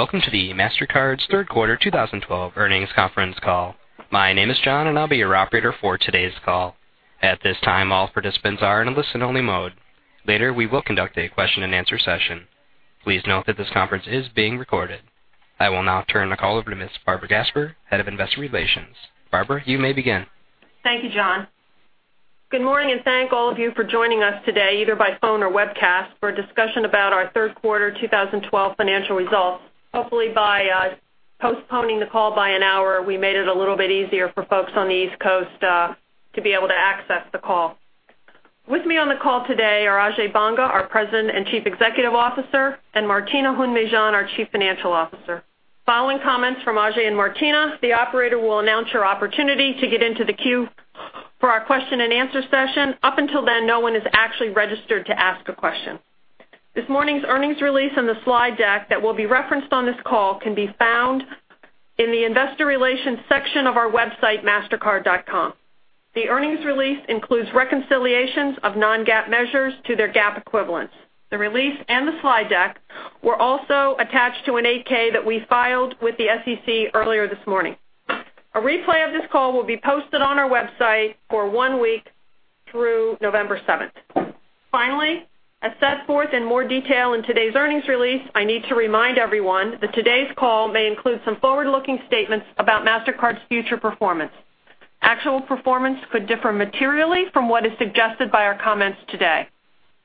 Welcome to the Mastercard's third quarter 2012 earnings conference call. My name is John and I'll be your operator for today's call. At this time, all participants are in a listen-only mode. Later, we will conduct a question and answer session. Please note that this conference is being recorded. I will now turn the call over to Ms. Barbara Gasper, Head of Investor Relations. Barbara, you may begin. Thank you, John. Good morning, and thank all of you for joining us today, either by phone or webcast, for a discussion about our third quarter 2012 financial results. Hopefully, by postponing the call by an hour, we made it a little bit easier for folks on the East Coast to be able to access the call. With me on the call today are Ajay Banga, our President and Chief Executive Officer, and Martina Hund-Mejean, our Chief Financial Officer. Following comments from Ajay and Martina, the operator will announce your opportunity to get into the queue for our question and answer session. Up until then, no one is actually registered to ask a question. This morning's earnings release and the slide deck that will be referenced on this call can be found in the investor relations section of our website, mastercard.com. The earnings release includes reconciliations of non-GAAP measures to their GAAP equivalents. The release and the slide deck were also attached to an 8-K that we filed with the SEC earlier this morning. A replay of this call will be posted on our website for one week through November 7th. Finally, as set forth in more detail in today's earnings release, I need to remind everyone that today's call may include some forward-looking statements about Mastercard's future performance. Actual performance could differ materially from what is suggested by our comments today.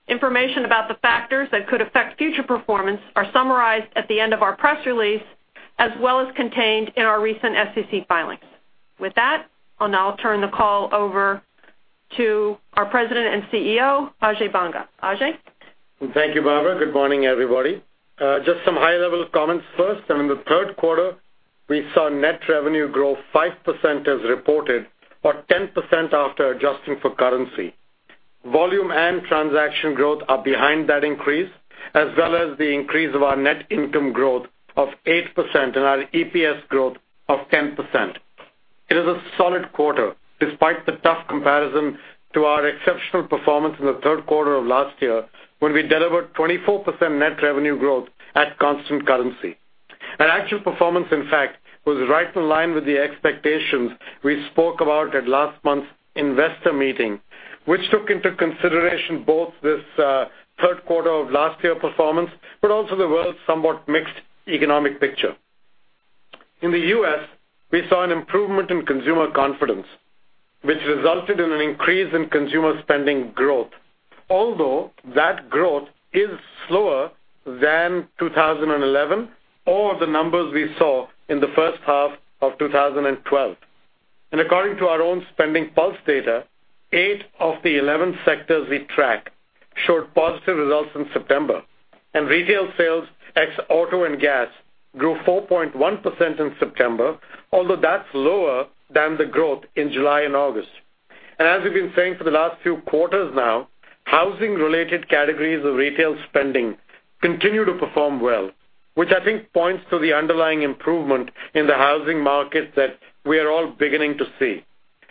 Information about the factors that could affect future performance are summarized at the end of our press release, as well as contained in our recent SEC filings. With that, I'll now turn the call over to our President and CEO, Ajay Banga. Ajay? Thank you, Barbara. Good morning, everybody. Just some high-level comments first. In the third quarter, we saw net revenue grow 5% as reported, or 10% after adjusting for currency. Volume and transaction growth are behind that increase, as well as the increase of our net income growth of 8% and our EPS growth of 10%. It is a solid quarter despite the tough comparison to our exceptional performance in the third quarter of last year when we delivered 24% net revenue growth at constant currency. Our actual performance, in fact, was right in line with the expectations we spoke about at last month's Investor Day, which took into consideration both this third quarter of last year performance, but also the world's somewhat mixed economic picture. In the U.S., we saw an improvement in consumer confidence, which resulted in an increase in consumer spending growth, although that growth is slower than 2011 or the numbers we saw in the first half of 2012. According to our own SpendingPulse data, eight of the 11 sectors we track showed positive results in September, and retail sales ex auto and gas grew 4.1% in September, although that's lower than the growth in July and August. As we've been saying for the last few quarters now, housing-related categories of retail spending continue to perform well, which I think points to the underlying improvement in the housing market that we are all beginning to see.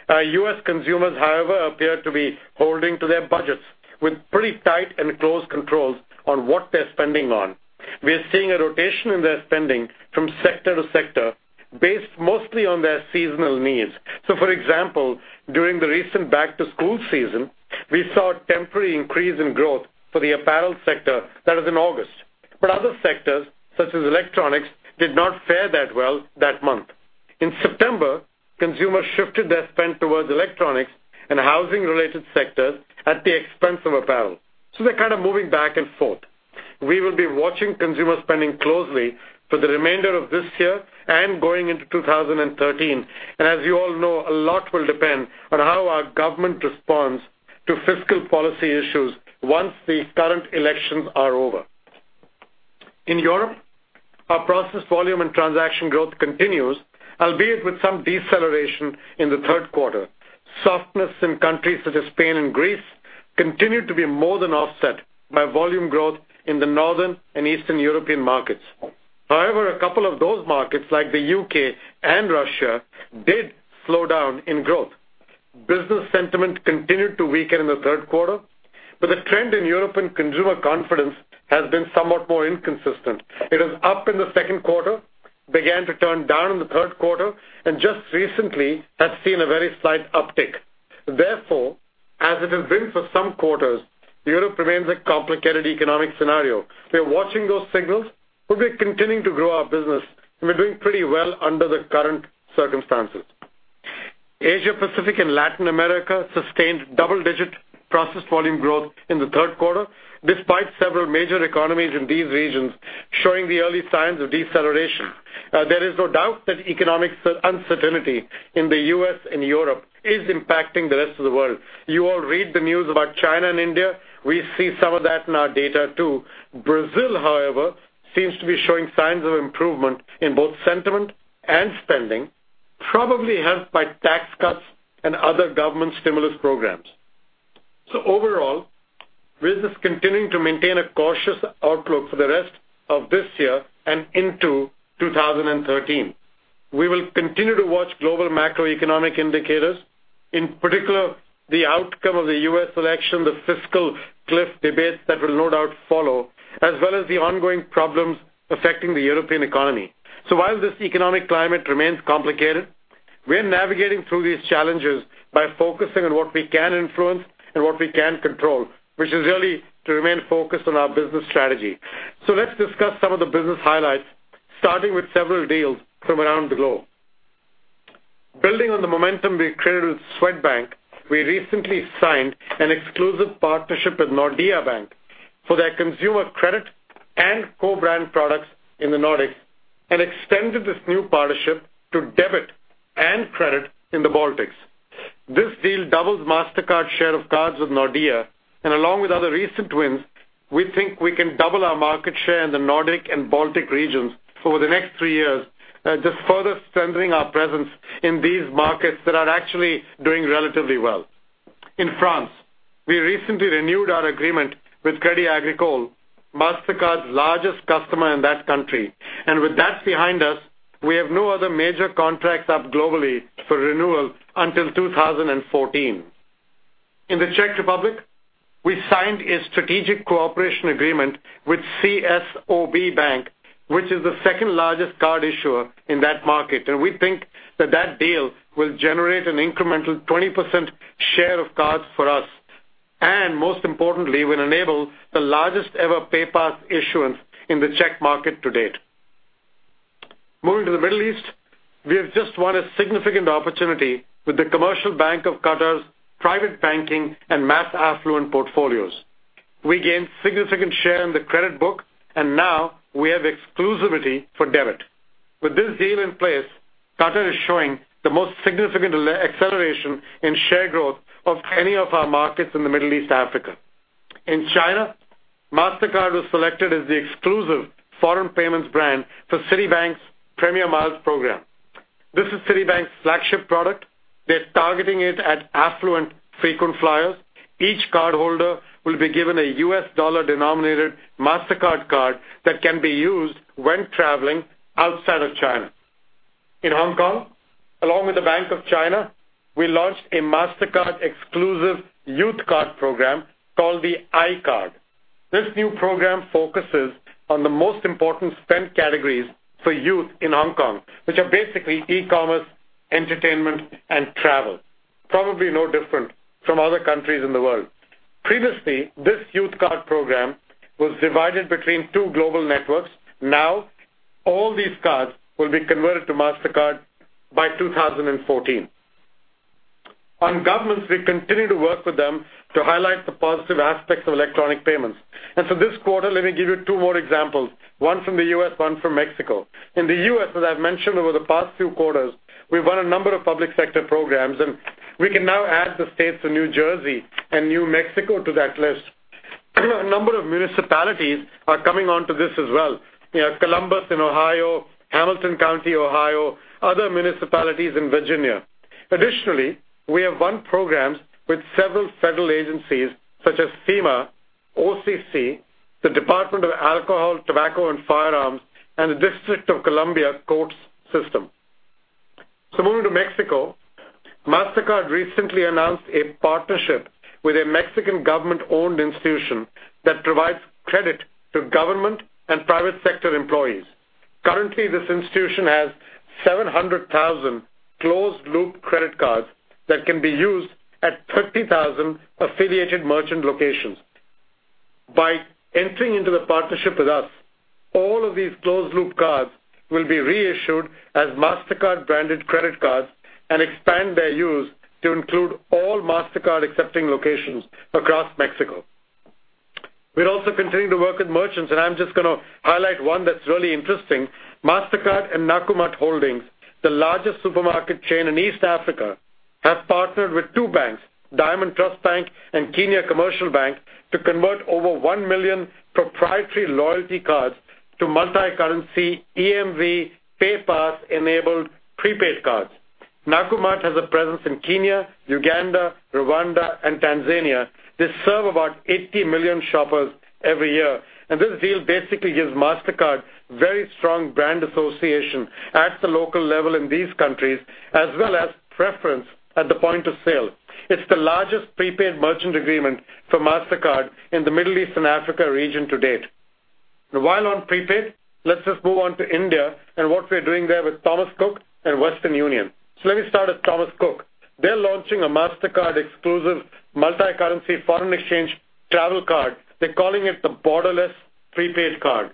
Our U.S. consumers, however, appear to be holding to their budgets with pretty tight and close controls on what they're spending on. We are seeing a rotation in their spending from sector to sector based mostly on their seasonal needs. For example, during the recent back-to-school season, we saw a temporary increase in growth for the apparel sector that is in August. Other sectors, such as electronics, did not fare that well that month. In September, consumers shifted their spend towards electronics and housing-related sectors at the expense of apparel. They're kind of moving back and forth. We will be watching consumer spending closely for the remainder of this year and going into 2013. As you all know, a lot will depend on how our government responds to fiscal policy issues once the current elections are over. In Europe, our processed volume and transaction growth continues, albeit with some deceleration in the third quarter. Softness in countries such as Spain and Greece continued to be more than offset by volume growth in the Northern and Eastern European markets. However, a couple of those markets, like the U.K. and Russia, did slow down in growth. Business sentiment continued to weaken in the third quarter, but the trend in Europe and consumer confidence has been somewhat more inconsistent. It is up in the second quarter, began to turn down in the third quarter, and just recently has seen a very slight uptick. Therefore, as it has been for some quarters, Europe remains a complicated economic scenario. We are watching those signals, but we are continuing to grow our business, and we're doing pretty well under the current circumstances. Asia-Pacific and Latin America sustained double-digit processed volume growth in the third quarter, despite several major economies in these regions showing the early signs of deceleration. There is no doubt that economic uncertainty in the U.S. and Europe is impacting the rest of the world. You all read the news about China and India. We see some of that in our data too. Brazil, however, seems to be showing signs of improvement in both sentiment and spending, probably helped by tax cuts and other government stimulus programs. Overall, business continuing to maintain a cautious outlook for the rest of this year and into 2013. We will continue to watch global macroeconomic indicators, in particular, the outcome of the U.S. election, the fiscal cliff debate that will no doubt follow, as well as the ongoing problems affecting the European economy. While this economic climate remains complicated, we're navigating through these challenges by focusing on what we can influence and what we can control, which is really to remain focused on our business strategy. Let's discuss some of the business highlights, starting with several deals from around the globe. Building on the momentum we created with Swedbank, we recently signed an exclusive partnership with Nordea Bank for their consumer credit and co-brand products in the Nordics and extended this new partnership to debit and credit in the Baltics. This deal doubles Mastercard's share of cards with Nordea, and along with other recent wins, we think we can double our market share in the Nordic and Baltic regions over the next 3 years, just further strengthening our presence in these markets that are actually doing relatively well. In France, we recently renewed our agreement with Crédit Agricole, Mastercard's largest customer in that country. With that behind us, we have no other major contracts up globally for renewal until 2014. In the Czech Republic, we signed a strategic cooperation agreement with ČSOB Bank, which is the second-largest card issuer in that market. We think that that deal will generate an incremental 20% share of cards for us, and most importantly, will enable the largest-ever PayPass issuance in the Czech market to date. Moving to the Middle East, we have just won a significant opportunity with the Commercial Bank of Qatar's private banking and mass affluent portfolios. We gained significant share in the credit book, and now we have exclusivity for debit. With this deal in place, Qatar is showing the most significant acceleration in share growth of any of our markets in the Middle East/Africa. In China, Mastercard was selected as the exclusive foreign payments brand for Citibank's PremierMiles program. This is Citibank's flagship product. They're targeting it at affluent frequent flyers. Each cardholder will be given a U.S. dollar-denominated Mastercard card that can be used when traveling outside of China. In Hong Kong, along with the Bank of China, we launched a Mastercard-exclusive youth card program called the iCard. This new program focuses on the most important spend categories for youth in Hong Kong, which are basically e-commerce, entertainment, and travel. Probably no different from other countries in the world. Previously, this youth card program was divided between 2 global networks. Now, all these cards will be converted to Mastercard by 2014. On governments, we continue to work with them to highlight the positive aspects of electronic payments. This quarter, let me give you 2 more examples, one from the U.S., one from Mexico. In the U.S., as I've mentioned over the past few quarters, we've won a number of public sector programs, and we can now add the states of New Jersey and New Mexico to that list. A number of municipalities are coming onto this as well. You have Columbus in Ohio, Hamilton County, Ohio, other municipalities in Virginia. Additionally, we have won programs with several federal agencies such as FEMA, OCC, the Bureau of Alcohol, Tobacco, Firearms and Explosives, and the District of Columbia courts system. Moving to Mexico, Mastercard recently announced a partnership with a Mexican government-owned institution that provides credit to government and private sector employees. Currently, this institution has 700,000 closed-loop credit cards that can be used at 30,000 affiliated merchant locations. By entering into the partnership with us, all of these closed-loop cards will be reissued as Mastercard-branded credit cards and expand their use to include all Mastercard-accepting locations across Mexico. We're also continuing to work with merchants. I'm just going to highlight one that's really interesting. Mastercard and Nakumatt Holdings, the largest supermarket chain in East Africa, have partnered with two banks, Diamond Trust Bank and Kenya Commercial Bank, to convert over 1 million proprietary loyalty cards to multi-currency, EMV, PayPass-enabled prepaid cards. Nakumatt has a presence in Kenya, Uganda, Rwanda, and Tanzania. They serve about 80 million shoppers every year. This deal basically gives Mastercard very strong brand association at the local level in these countries, as well as preference at the point of sale. It's the largest prepaid merchant agreement for Mastercard in the Middle East and Africa region to date. While on prepaid, let's just move on to India and what we're doing there with Thomas Cook and Western Union. Let me start with Thomas Cook. They're launching a Mastercard-exclusive multi-currency foreign exchange travel card. They're calling it the Borderless Prepaid Card.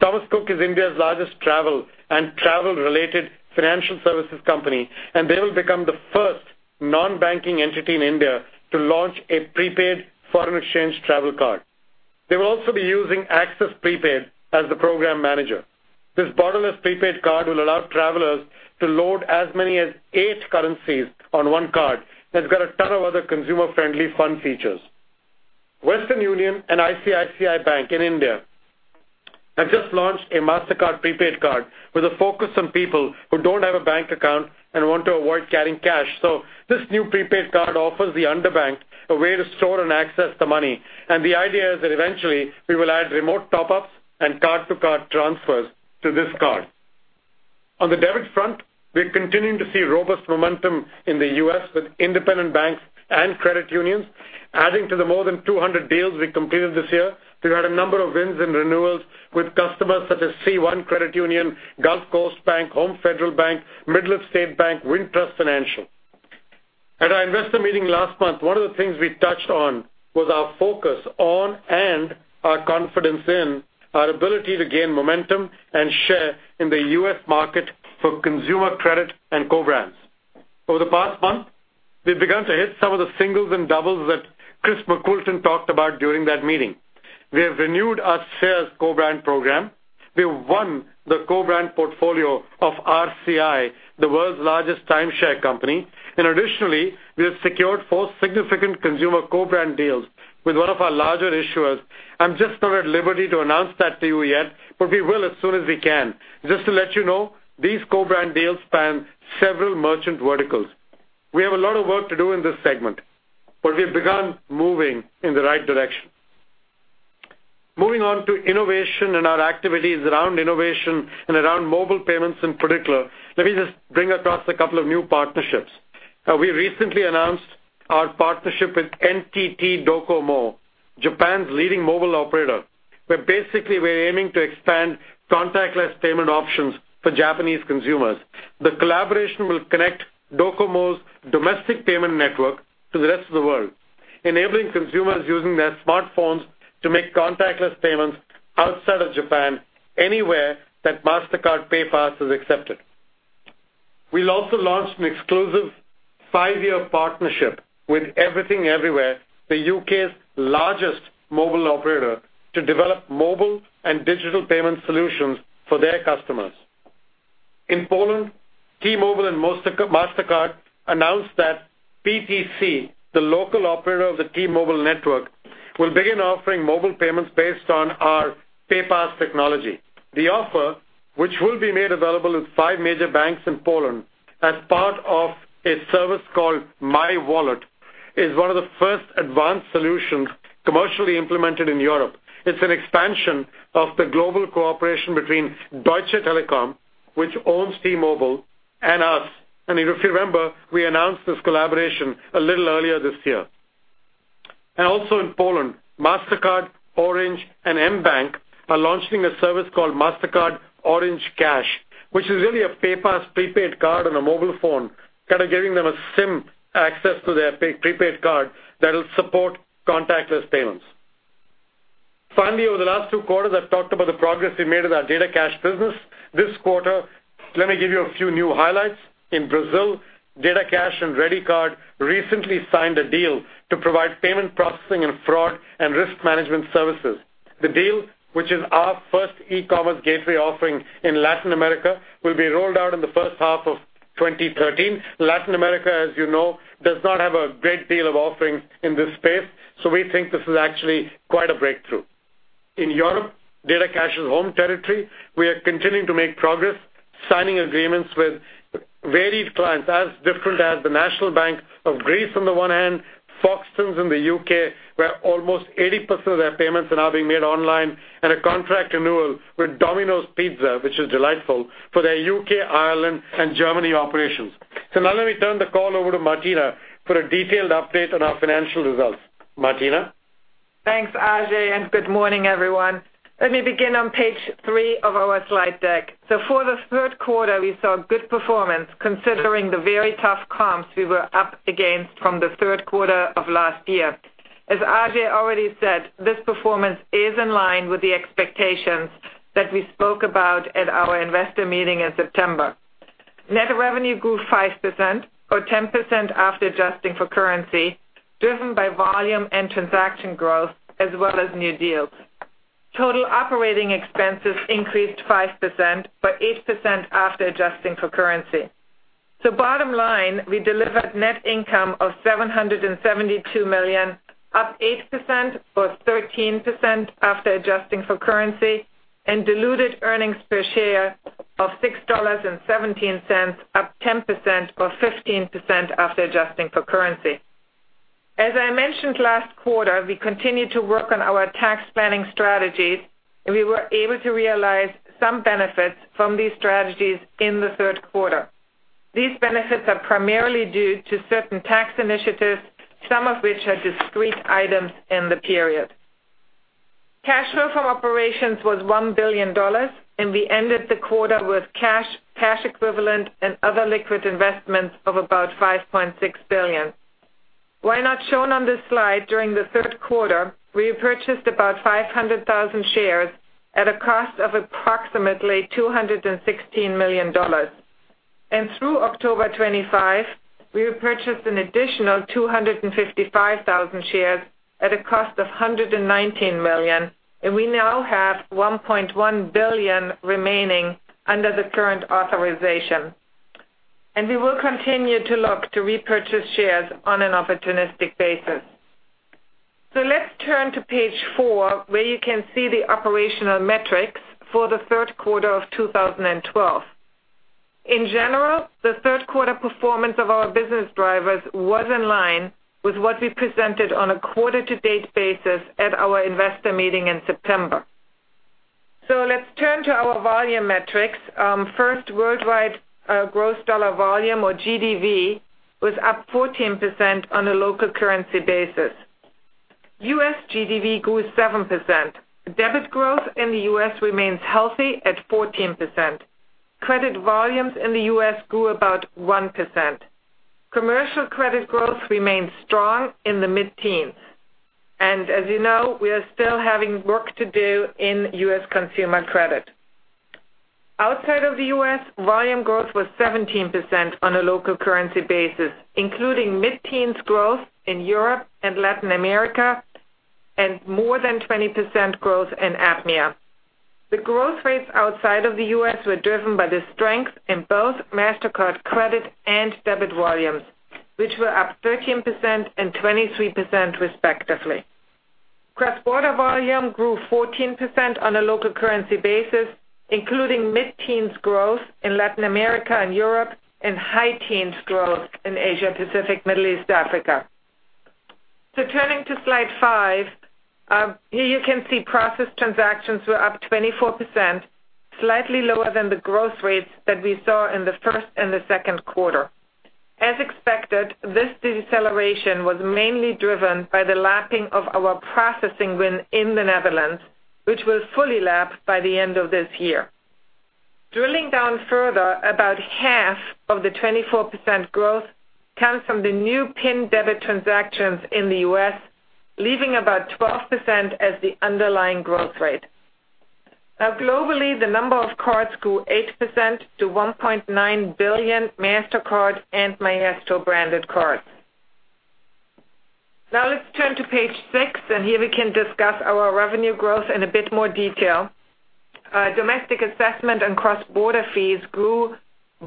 Thomas Cook is India's largest travel and travel-related financial services company, and they will become the first non-banking entity in India to launch a prepaid foreign exchange travel card. They will also be using Axis Prepaid as the program manager. This Borderless Prepaid Card will allow travelers to load as many as eight currencies on one card, and it's got a ton of other consumer-friendly fun features. Western Union and ICICI Bank in India have just launched a Mastercard prepaid card with a focus on people who don't have a bank account and want to avoid carrying cash. This new prepaid card offers the underbanked a way to store and access the money. The idea is that eventually we will add remote top-ups and card-to-card transfers to this card. On the debit front, we're continuing to see robust momentum in the U.S. with independent banks and credit unions. Adding to the more than 200 deals we completed this year, we've had a number of wins and renewals with customers such as Credit Union 1, Gulf Coast Bank, Home Federal Bank, MidWest State Bank, Wintrust Financial. At our investor meeting last month, one of the things we touched on was our focus on, and our confidence in our ability to gain momentum and share in the U.S. market for consumer credit and co-brands. Over the past month, we've begun to hit some of the singles and doubles that Chris McWilton talked about during that meeting. We have renewed our shares co-brand program. We have won the co-brand portfolio of RCI, the world's largest timeshare company. Additionally, we have secured four significant consumer co-brand deals with one of our larger issuers. I'm just not at liberty to announce that to you yet, but we will as soon as we can. Just to let you know, these co-brand deals span several merchant verticals. We have a lot of work to do in this segment, but we've begun moving in the right direction. Moving on to innovation and our activities around innovation and around mobile payments in particular, let me just bring across a couple of new partnerships. We recently announced our partnership with NTT Docomo, Japan's leading mobile operator, where basically we're aiming to expand contactless payment options for Japanese consumers. The collaboration will connect Docomo's domestic payment network to the rest of the world, enabling consumers using their smartphones to make contactless payments outside of Japan anywhere that Mastercard PayPass is accepted. We'll also launch an exclusive five-year partnership with Everything Everywhere, the U.K.'s largest mobile operator, to develop mobile and digital payment solutions for their customers. In Poland, T-Mobile and Mastercard announced that PTC, the local operator of the T-Mobile network, will begin offering mobile payments based on our PayPass technology. The offer, which will be made available at five major banks in Poland as part of a service called My Wallet, is one of the first advanced solutions commercially implemented in Europe. It's an expansion of the global cooperation between Deutsche Telekom, which owns T-Mobile, and us. If you remember, we announced this collaboration a little earlier this year. Also in Poland, Mastercard, Orange, and mBank are launching a service called Mastercard Orange Cash, which is really a PayPass prepaid card on a mobile phone, kind of giving them a SIM access to their prepaid card that'll support contactless payments. Finally, over the last two quarters, I've talked about the progress we've made in our DataCash business. This quarter, let me give you a few new highlights. In Brazil, DataCash and ReadyCARD recently signed a deal to provide payment processing and fraud and risk management services. The deal, which is our first e-commerce gateway offering in Latin America, will be rolled out in the first half of 2013. Latin America, as you know, does not have a great deal of offerings in this space, so we think this is actually quite a breakthrough. In Europe, DataCash's home territory, we are continuing to make progress, signing agreements with varied clients as different as the National Bank of Greece on the one hand, Foxtons in the U.K., where almost 80% of their payments are now being made online, and a contract renewal with Domino's Pizza, which is delightful for their U.K., Ireland, and Germany operations. Now let me turn the call over to Martina for a detailed update on our financial results. Martina? Thanks, Ajay, and good morning, everyone. Let me begin on page three of our slide deck. For the third quarter, we saw good performance considering the very tough comps we were up against from the third quarter of last year. As Ajay already said, this performance is in line with the expectations that we spoke about at our Investor Day in September. Net revenue grew 5%, or 10% after adjusting for currency, driven by volume and transaction growth as well as new deals. Total operating expenses increased 5%, 8% after adjusting for currency. Bottom line, we delivered net income of $772 million, up 8%, or 13% after adjusting for currency, and diluted earnings per share of $6.17, up 10%, or 15% after adjusting for currency. As I mentioned last quarter, we continued to work on our tax planning strategies, and we were able to realize some benefits from these strategies in the third quarter. These benefits are primarily due to certain tax initiatives, some of which are discrete items in the period. Cash flow from operations was $1 billion, and we ended the quarter with cash equivalent, and other liquid investments of about $5.6 billion. While not shown on this slide, during the third quarter, we repurchased about 500,000 shares at a cost of approximately $216 million. Through October 25, we repurchased an additional 255,000 shares at a cost of $119 million, and we now have $1.1 billion remaining under the current authorization. We will continue to look to repurchase shares on an opportunistic basis. Let's turn to page four, where you can see the operational metrics for the third quarter of 2012. In general, the third quarter performance of our business drivers was in line with what we presented on a quarter-to-date basis at our Investor Day in September. Let's turn to our volume metrics. First, worldwide gross dollar volume or GDV was up 14% on a local currency basis. U.S. GDV grew 7%. Debit growth in the U.S. remains healthy at 14%. Credit volumes in the U.S. grew about 1%. Commercial credit growth remains strong in the mid-teens. As you know, we are still having work to do in U.S. consumer credit. Outside of the U.S., volume growth was 17% on a local currency basis, including mid-teens growth in Europe and Latin America, and more than 20% growth in APMEA. The growth rates outside of the U.S. were driven by the strength in both Mastercard credit and debit volumes, which were up 13% and 23% respectively. Cross-border volume grew 14% on a local currency basis, including mid-teens growth in Latin America and Europe and high teens growth in Asia, Pacific, Middle East, Africa. Turning to slide five. Here you can see processed transactions were up 24%, slightly lower than the growth rates that we saw in the first and the second quarter. As expected, this deceleration was mainly driven by the lapping of our processing win in the Netherlands, which will fully lap by the end of this year. Drilling down further, about half of the 24% growth comes from the new PIN debit transactions in the U.S., leaving about 12% as the underlying growth rate. Globally, the number of cards grew 8% to 1.9 billion Mastercard and Maestro-branded cards. Let's turn to page six, and here we can discuss our revenue growth in a bit more detail. Domestic assessment and cross-border fees grew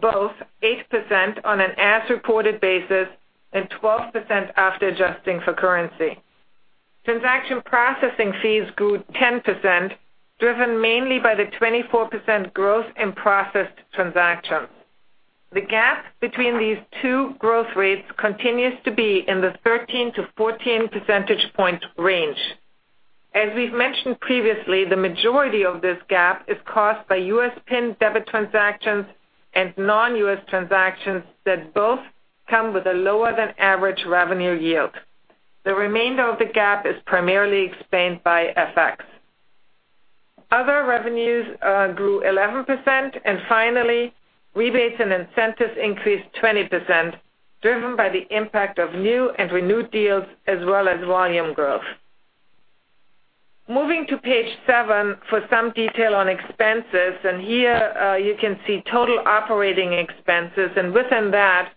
both 8% on an as-reported basis and 12% after adjusting for currency. Transaction processing fees grew 10%, driven mainly by the 24% growth in processed transactions. The gap between these two growth rates continues to be in the 13-14 percentage point range. As we've mentioned previously, the majority of this gap is caused by U.S. PIN debit transactions and non-U.S. transactions that both come with a lower than average revenue yield. The remainder of the gap is primarily explained by FX. Other revenues grew 11%. Finally, rebates and incentives increased 20%, driven by the impact of new and renewed deals as well as volume growth. Moving to page seven for some detail on expenses, and here you can see total operating expenses, and within that,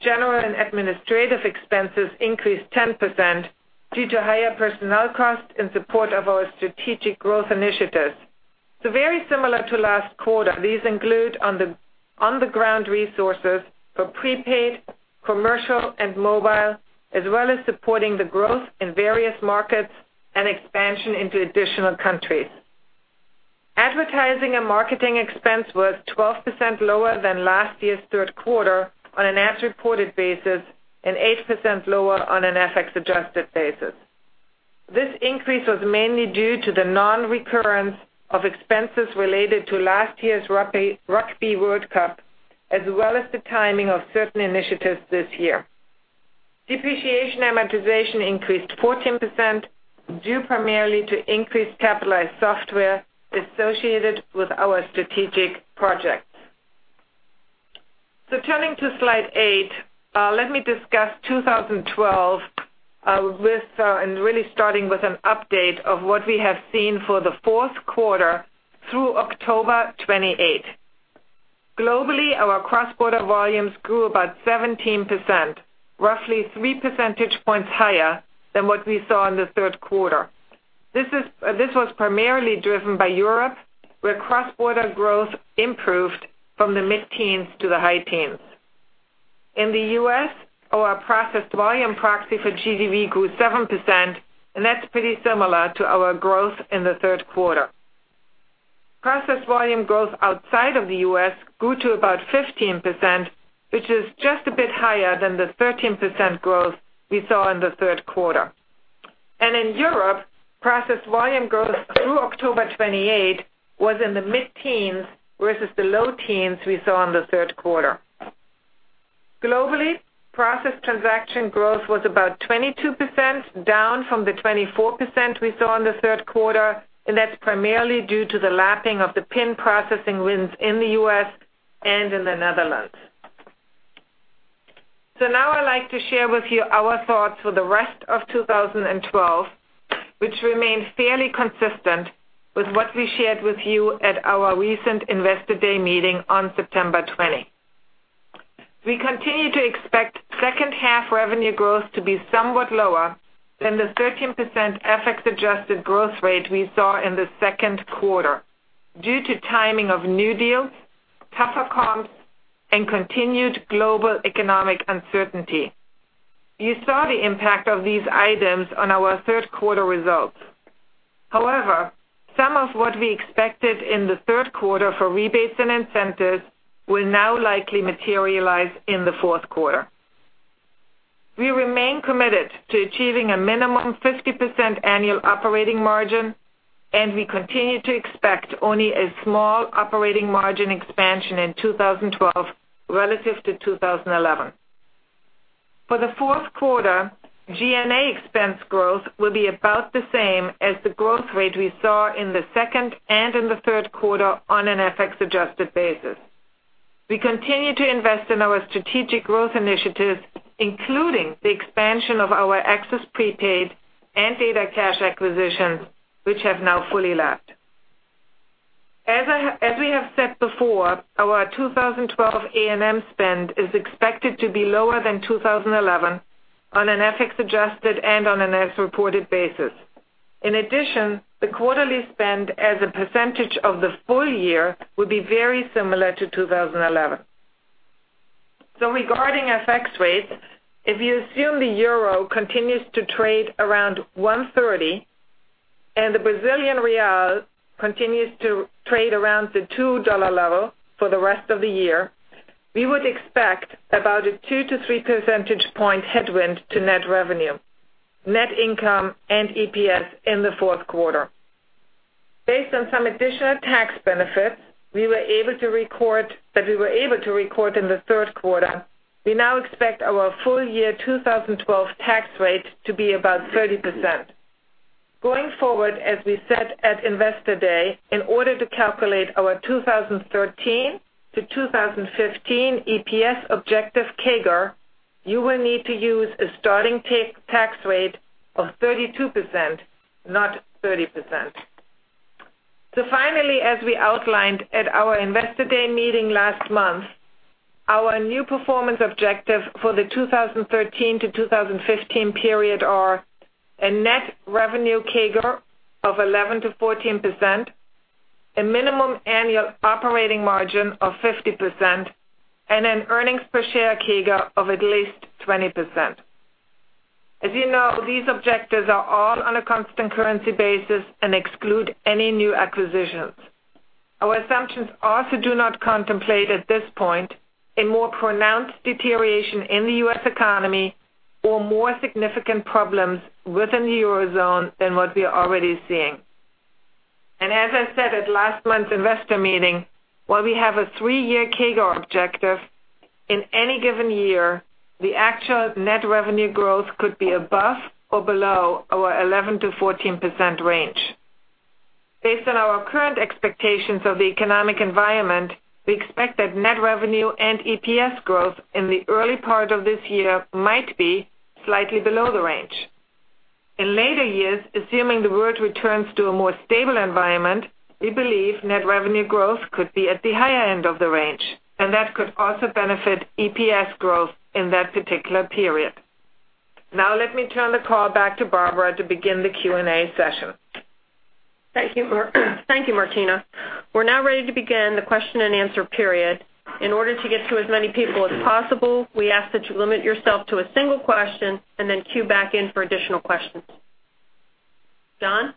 General and administrative expenses increased 10% due to higher personnel costs in support of our strategic growth initiatives. Very similar to last quarter, these include on-the-ground resources for prepaid, commercial, and mobile, as well as supporting the growth in various markets and expansion into additional countries. Advertising and Marketing expense was 12% lower than last year's third quarter on an as-reported basis and 8% lower on an FX-adjusted basis. This increase was mainly due to the non-recurrence of expenses related to last year's Rugby World Cup, as well as the timing of certain initiatives this year. Depreciation amortization increased 14%, due primarily to increased capitalized software associated with our strategic projects. Turning to slide eight, let me discuss 2012 and really starting with an update of what we have seen for the fourth quarter through October 28th. Globally, our cross-border volumes grew about 17%, roughly three percentage points higher than what we saw in the third quarter. This was primarily driven by Europe, where cross-border growth improved from the mid-teens to the high teens. In the U.S., our processed volume proxy for GDV grew 7%, and that's pretty similar to our growth in the third quarter. Processed volume growth outside of the U.S. grew to about 15%, which is just a bit higher than the 13% growth we saw in the third quarter. And in Europe, processed volume growth through October 28th was in the mid-teens, versus the low teens we saw in the third quarter. Globally, processed transaction growth was about 22%, down from the 24% we saw in the third quarter, and that's primarily due to the lapping of the PIN processing wins in the U.S. and in the Netherlands. Now I'd like to share with you our thoughts for the rest of 2012, which remain fairly consistent with what we shared with you at our recent Investor Day meeting on September 20. We continue to expect second half revenue growth to be somewhat lower than the 13% FX-adjusted growth rate we saw in the second quarter due to timing of new deals, tougher comps, and continued global economic uncertainty. You saw the impact of these items on our third quarter results. However, some of what we expected in the third quarter for rebates and incentives will now likely materialize in the fourth quarter. We remain committed to achieving a minimum 50% annual operating margin, and we continue to expect only a small operating margin expansion in 2012 relative to 2011. For the fourth quarter, G&A expense growth will be about the same as the growth rate we saw in the second and in the third quarter on an FX-adjusted basis. We continue to invest in our strategic growth initiatives, including the expansion of our Access Prepaid and DataCash acquisitions, which have now fully lapped. As we have said before, our 2012 A&M spend is expected to be lower than 2011 on an FX-adjusted and on an as-reported basis. In addition, the quarterly spend as a percentage of the full year will be very similar to 2011. Regarding FX rates, if you assume the euro continues to trade around 130 and the Brazilian real continues to trade around the $2 level for the rest of the year, we would expect about a two to three percentage point headwind to net revenue, net income, and EPS in the fourth quarter. Based on some additional tax benefits that we were able to record in the third quarter, we now expect our full-year 2012 tax rate to be about 30%. Going forward, as we said at Investor Day, in order to calculate our 2013 to 2015 EPS objective CAGR, you will need to use a starting tax rate of 32%, not 30%. Finally, as we outlined at our Investor Day meeting last month, our new performance objective for the 2013 to 2015 period are: a net revenue CAGR of 11%-14%, a minimum annual operating margin of 50%, and an earnings per share CAGR of at least 20%. As you know, these objectives are all on a constant currency basis and exclude any new acquisitions. Our assumptions also do not contemplate, at this point, a more pronounced deterioration in the U.S. economy or more significant problems within the eurozone than what we are already seeing. As I said at last month's investor meeting, while we have a three-year CAGR objective, in any given year, the actual net revenue growth could be above or below our 11%-14% range. Based on our current expectations of the economic environment, we expect that net revenue and EPS growth in the early part of this year might be slightly below the range. In later years, assuming the world returns to a more stable environment, we believe net revenue growth could be at the higher end of the range, and that could also benefit EPS growth in that particular period. Let me turn the call back to Barbara to begin the Q&A session. Thank you, Martina. We're now ready to begin the question-and-answer period. In order to get to as many people as possible, we ask that you limit yourself to a single question and then queue back in for additional questions. Don?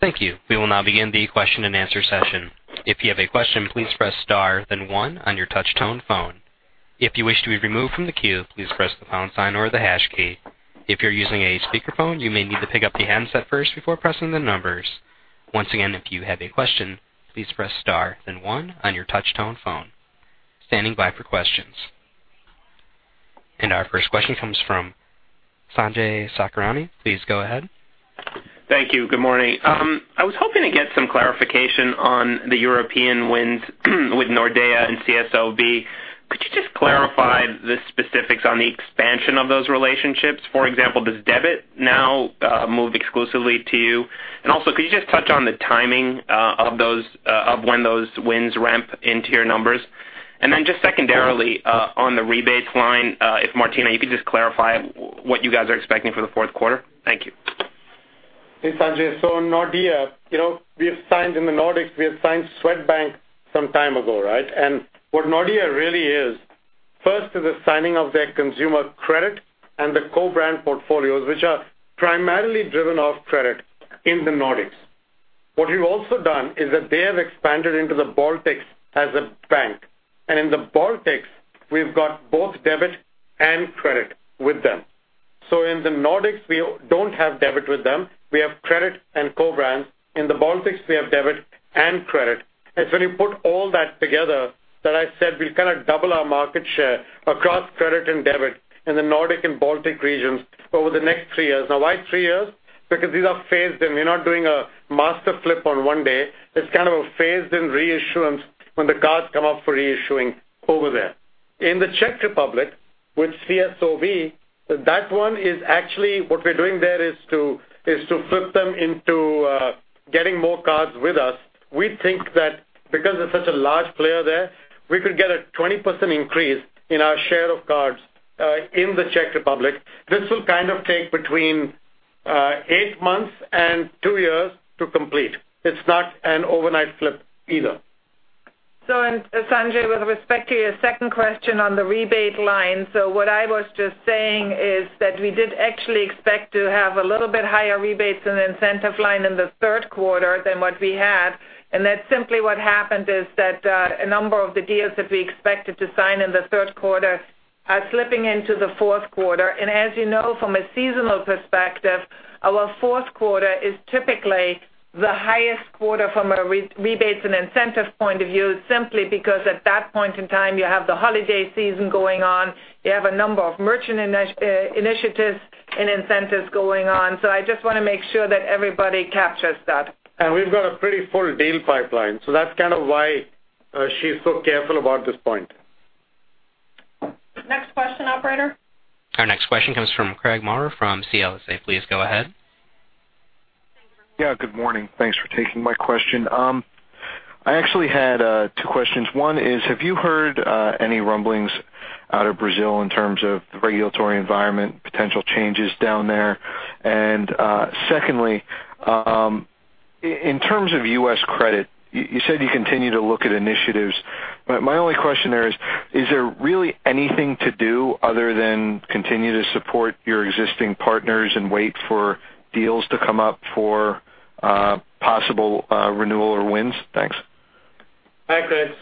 Thank you. We will now begin the question-and-answer session. If you have a question, please press star then one on your touch tone phone. If you wish to be removed from the queue, please press the pound sign or the hash key. If you're using a speakerphone, you may need to pick up the handset first before pressing the numbers. Once again, if you have a question, please press star then one on your touch tone phone. Standing by for questions. Our first question comes from Sanjay Sakhrani. Please go ahead. Thank you. Good morning. I was hoping to get some clarification on the European wins with Nordea and ČSOB. Could you just clarify the specifics on the expansion of those relationships? For example, does debit now move exclusively to you? Also, could you just touch on the timing of when those wins ramp into your numbers? Just secondarily, on the rebates line, if Martina, you could just clarify what you guys are expecting for the fourth quarter. Thank you. Hey, Sanjay. Nordea, in the Nordics, we have signed Swedbank some time ago, right? What Nordea really is, first is the signing of their consumer credit and the co-brand portfolios, which are primarily driven off credit in the Nordics. What we've also done is that they have expanded into the Baltics as a bank. In the Baltics, we've got both debit and credit with them. In the Nordics, we don't have debit with them; we have credit and co-brands. In the Baltics, we have debit and credit. When you put all that together, that I said we kind of double our market share across credit and debit in the Nordic and Baltic regions over the next 3 years. Why 3 years? Because these are phased in. We're not doing a master flip on one day. It's kind of a phased-in reissuance when the cards come up for reissuing over there. In the Czech Republic with ČSOB, that one is actually what we're doing there is to flip them into getting more cards with us. We think that because it's such a large player there, we could get a 20% increase in our share of cards in the Czech Republic. This will kind of take between 8 months and 2 years to complete. It's not an overnight flip either. Sanjay, with respect to your second question on the rebate line, what I was just saying is that we did actually expect to have a little bit higher rebates in the incentive line in the third quarter than what we had. That simply what happened is that a number of the deals that we expected to sign in the third quarter are slipping into the fourth quarter. As you know from a seasonal perspective, our fourth quarter is typically the highest quarter from a rebates and incentive point of view, simply because at that point in time, you have the holiday season going on, you have a number of merchant initiatives and incentives going on. I just want to make sure that everybody captures that. We've got a pretty full deal pipeline, so that's kind of why she's so careful about this point. Next question, operator. Our next question comes from Craig Maurer from CLSA. Please go ahead. Yeah, good morning. Thanks for taking my question. I actually had two questions. One is, have you heard any rumblings out of Brazil in terms of the regulatory environment, potential changes down there? Secondly, in terms of U.S. credit, you said you continue to look at initiatives, but my only question there is there really anything to do other than continue to support your existing partners and wait for deals to come up for possible renewal or wins? Thanks. Hi, Craig.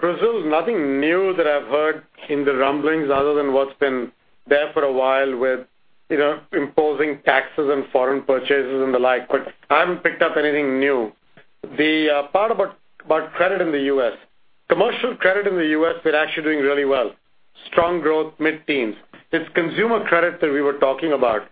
Brazil, nothing new that I've heard in the rumblings other than what's been there for a while with imposing taxes on foreign purchases and the like. I haven't picked up anything new. The part about credit in the U.S., commercial credit in the U.S., we're actually doing really well. Strong growth, mid-teens. It's consumer credit that we were talking about.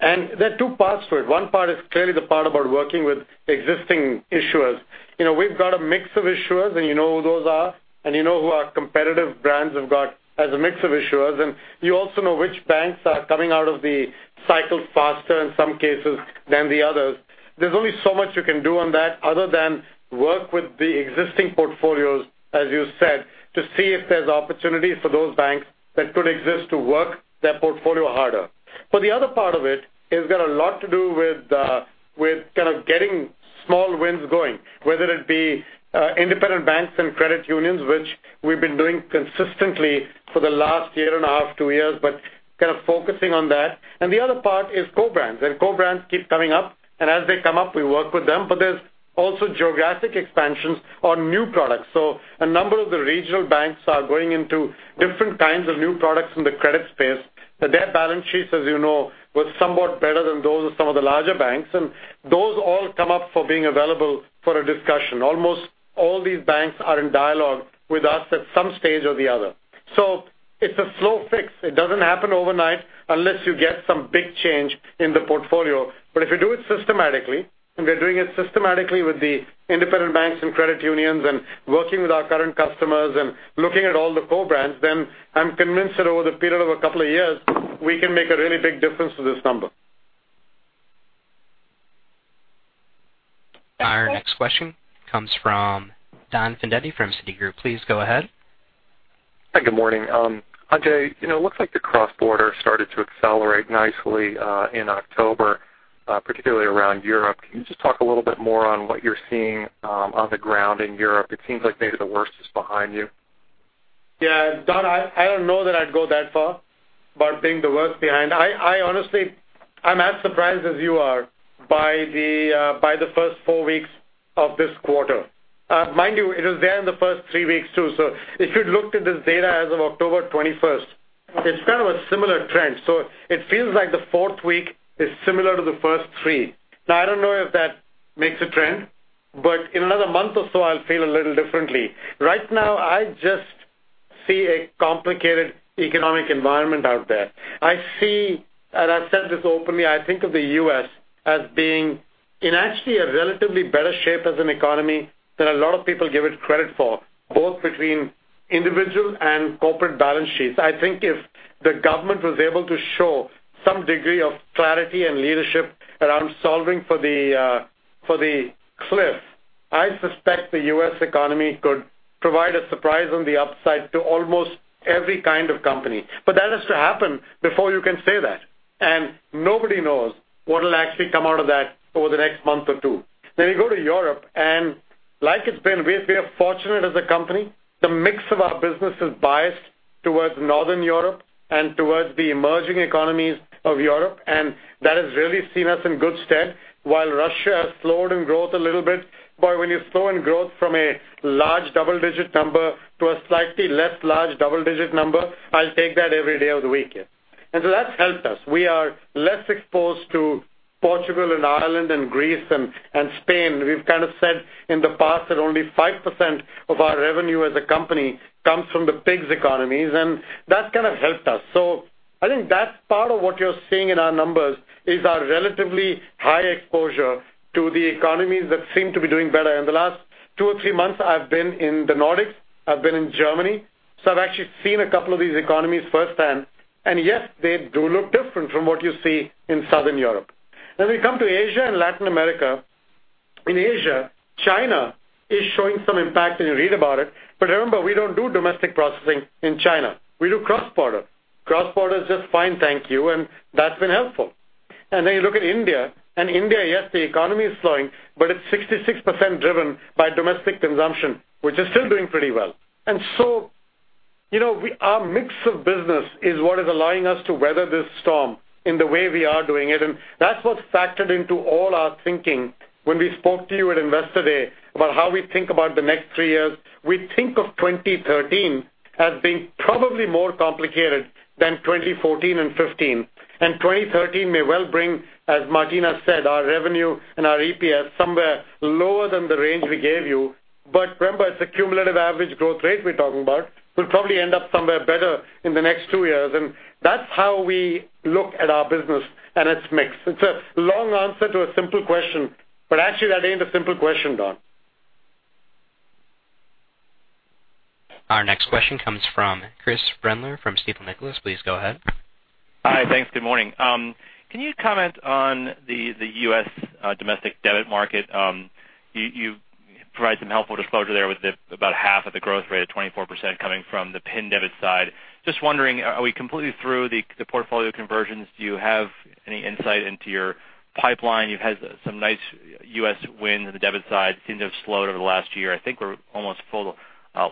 There are two parts to it. One part is clearly the part about working with existing issuers. We've got a mix of issuers, and you know who those are, and you know who our competitive brands have got as a mix of issuers. You also know which banks are coming out of the cycle faster in some cases than the others. There's only so much you can do on that other than work with the existing portfolios, as you said, to see if there's opportunity for those banks that could exist to work their portfolio harder. The other part of it has got a lot to do with kind of getting small wins going, whether it be independent banks and credit unions, which we've been doing consistently for the last one and a half, two years, but kind of focusing on that. The other part is co-brands. Co-brands keep coming up, and as they come up, we work with them. There's also geographic expansions on new products. A number of the regional banks are going into different kinds of new products in the credit space. Their balance sheets, as you know, were somewhat better than those of some of the larger banks. Those all come up for being available for a discussion. Almost all these banks are in dialogue with us at some stage or the other. It's a slow fix. It doesn't happen overnight unless you get some big change in the portfolio. If you do it systematically, we're doing it systematically with the independent banks and credit unions and working with our current customers and looking at all the co-brands, then I'm convinced that over the period of a couple of years, we can make a really big difference to this number. Next question. Our next question comes from Donald Fandetti from Citigroup. Please go ahead. Hi, good morning. Ajay, it looks like the cross-border started to accelerate nicely, in October, particularly around Europe. Can you just talk a little bit more on what you're seeing on the ground in Europe? It seems like maybe the worst is behind you. Yeah. Don, I don't know that I'd go that far about being the worst behind. I honestly, I'm as surprised as you are by the first four weeks of this quarter. Mind you, it was there in the first three weeks, too. If you'd looked at this data as of October 21st, it's kind of a similar trend. It feels like the fourth week is similar to the first three. Now, I don't know if that makes a trend, but in another month or so, I'll feel a little differently. Right now, I just see a complicated economic environment out there. I see, and I've said this openly, I think of the U.S. as being in actually a relatively better shape as an economy than a lot of people give it credit for, both between individual and corporate balance sheets. I think if the government was able to show some degree of clarity and leadership around solving for the cliff, I suspect the U.S. economy could provide a surprise on the upside to almost every kind of company. That has to happen before you can say that. Nobody knows what'll actually come out of that over the next month or two. You go to Europe, like it's been, we have been fortunate as a company. The mix of our business is biased towards Northern Europe and towards the emerging economies of Europe, That has really seen us in good stead while Russia has slowed in growth a little bit. When you slow in growth from a large double-digit number to a slightly less large double-digit number, I'll take that every day of the week. That's helped us. We are less exposed to Portugal and Ireland and Greece and Spain. We've kind of said in the past that only 5% of our revenue as a company comes from the PIGS economies, That's kind of helped us. I think that's part of what you're seeing in our numbers is our relatively high exposure to the economies that seem to be doing better. In the last two or three months, I've been in the Nordics, I've been in Germany. I've actually seen a couple of these economies firsthand, and yes, they do look different from what you see in Southern Europe. We come to Asia and Latin America. In Asia, China is showing some impact, You read about it. Remember, we don't do domestic processing in China. We do cross-border. Cross-border is just fine, thank you, That's been helpful. You look at India, yes, the economy is slowing, but it's 66% driven by domestic consumption, which is still doing pretty well. Our mix of business is what is allowing us to weather this storm in the way we are doing it, and that's what's factored into all our thinking when we spoke to you at Investor Day about how we think about the next three years. We think of 2013 as being probably more complicated than 2014 and 2015. 2013 may well bring, as Martina said, our revenue and our EPS somewhere lower than the range we gave you. Remember, it's a cumulative average growth rate we're talking about. We'll probably end up somewhere better in the next two years. That's how we look at our business and its mix. It's a long answer to a simple question, actually that ain't a simple question, Don. Our next question comes from Chris Brendler from Stifel Nicolaus. Please go ahead. Hi. Thanks. Good morning. Can you comment on the U.S. domestic debit market? You've provided some helpful disclosure there with about half of the growth rate of 24% coming from the PIN debit side. Just wondering, are we completely through the portfolio conversions? Do you have any insight into your pipeline? You've had some nice U.S. wins on the debit side. Seem to have slowed over the last year. I think we're almost full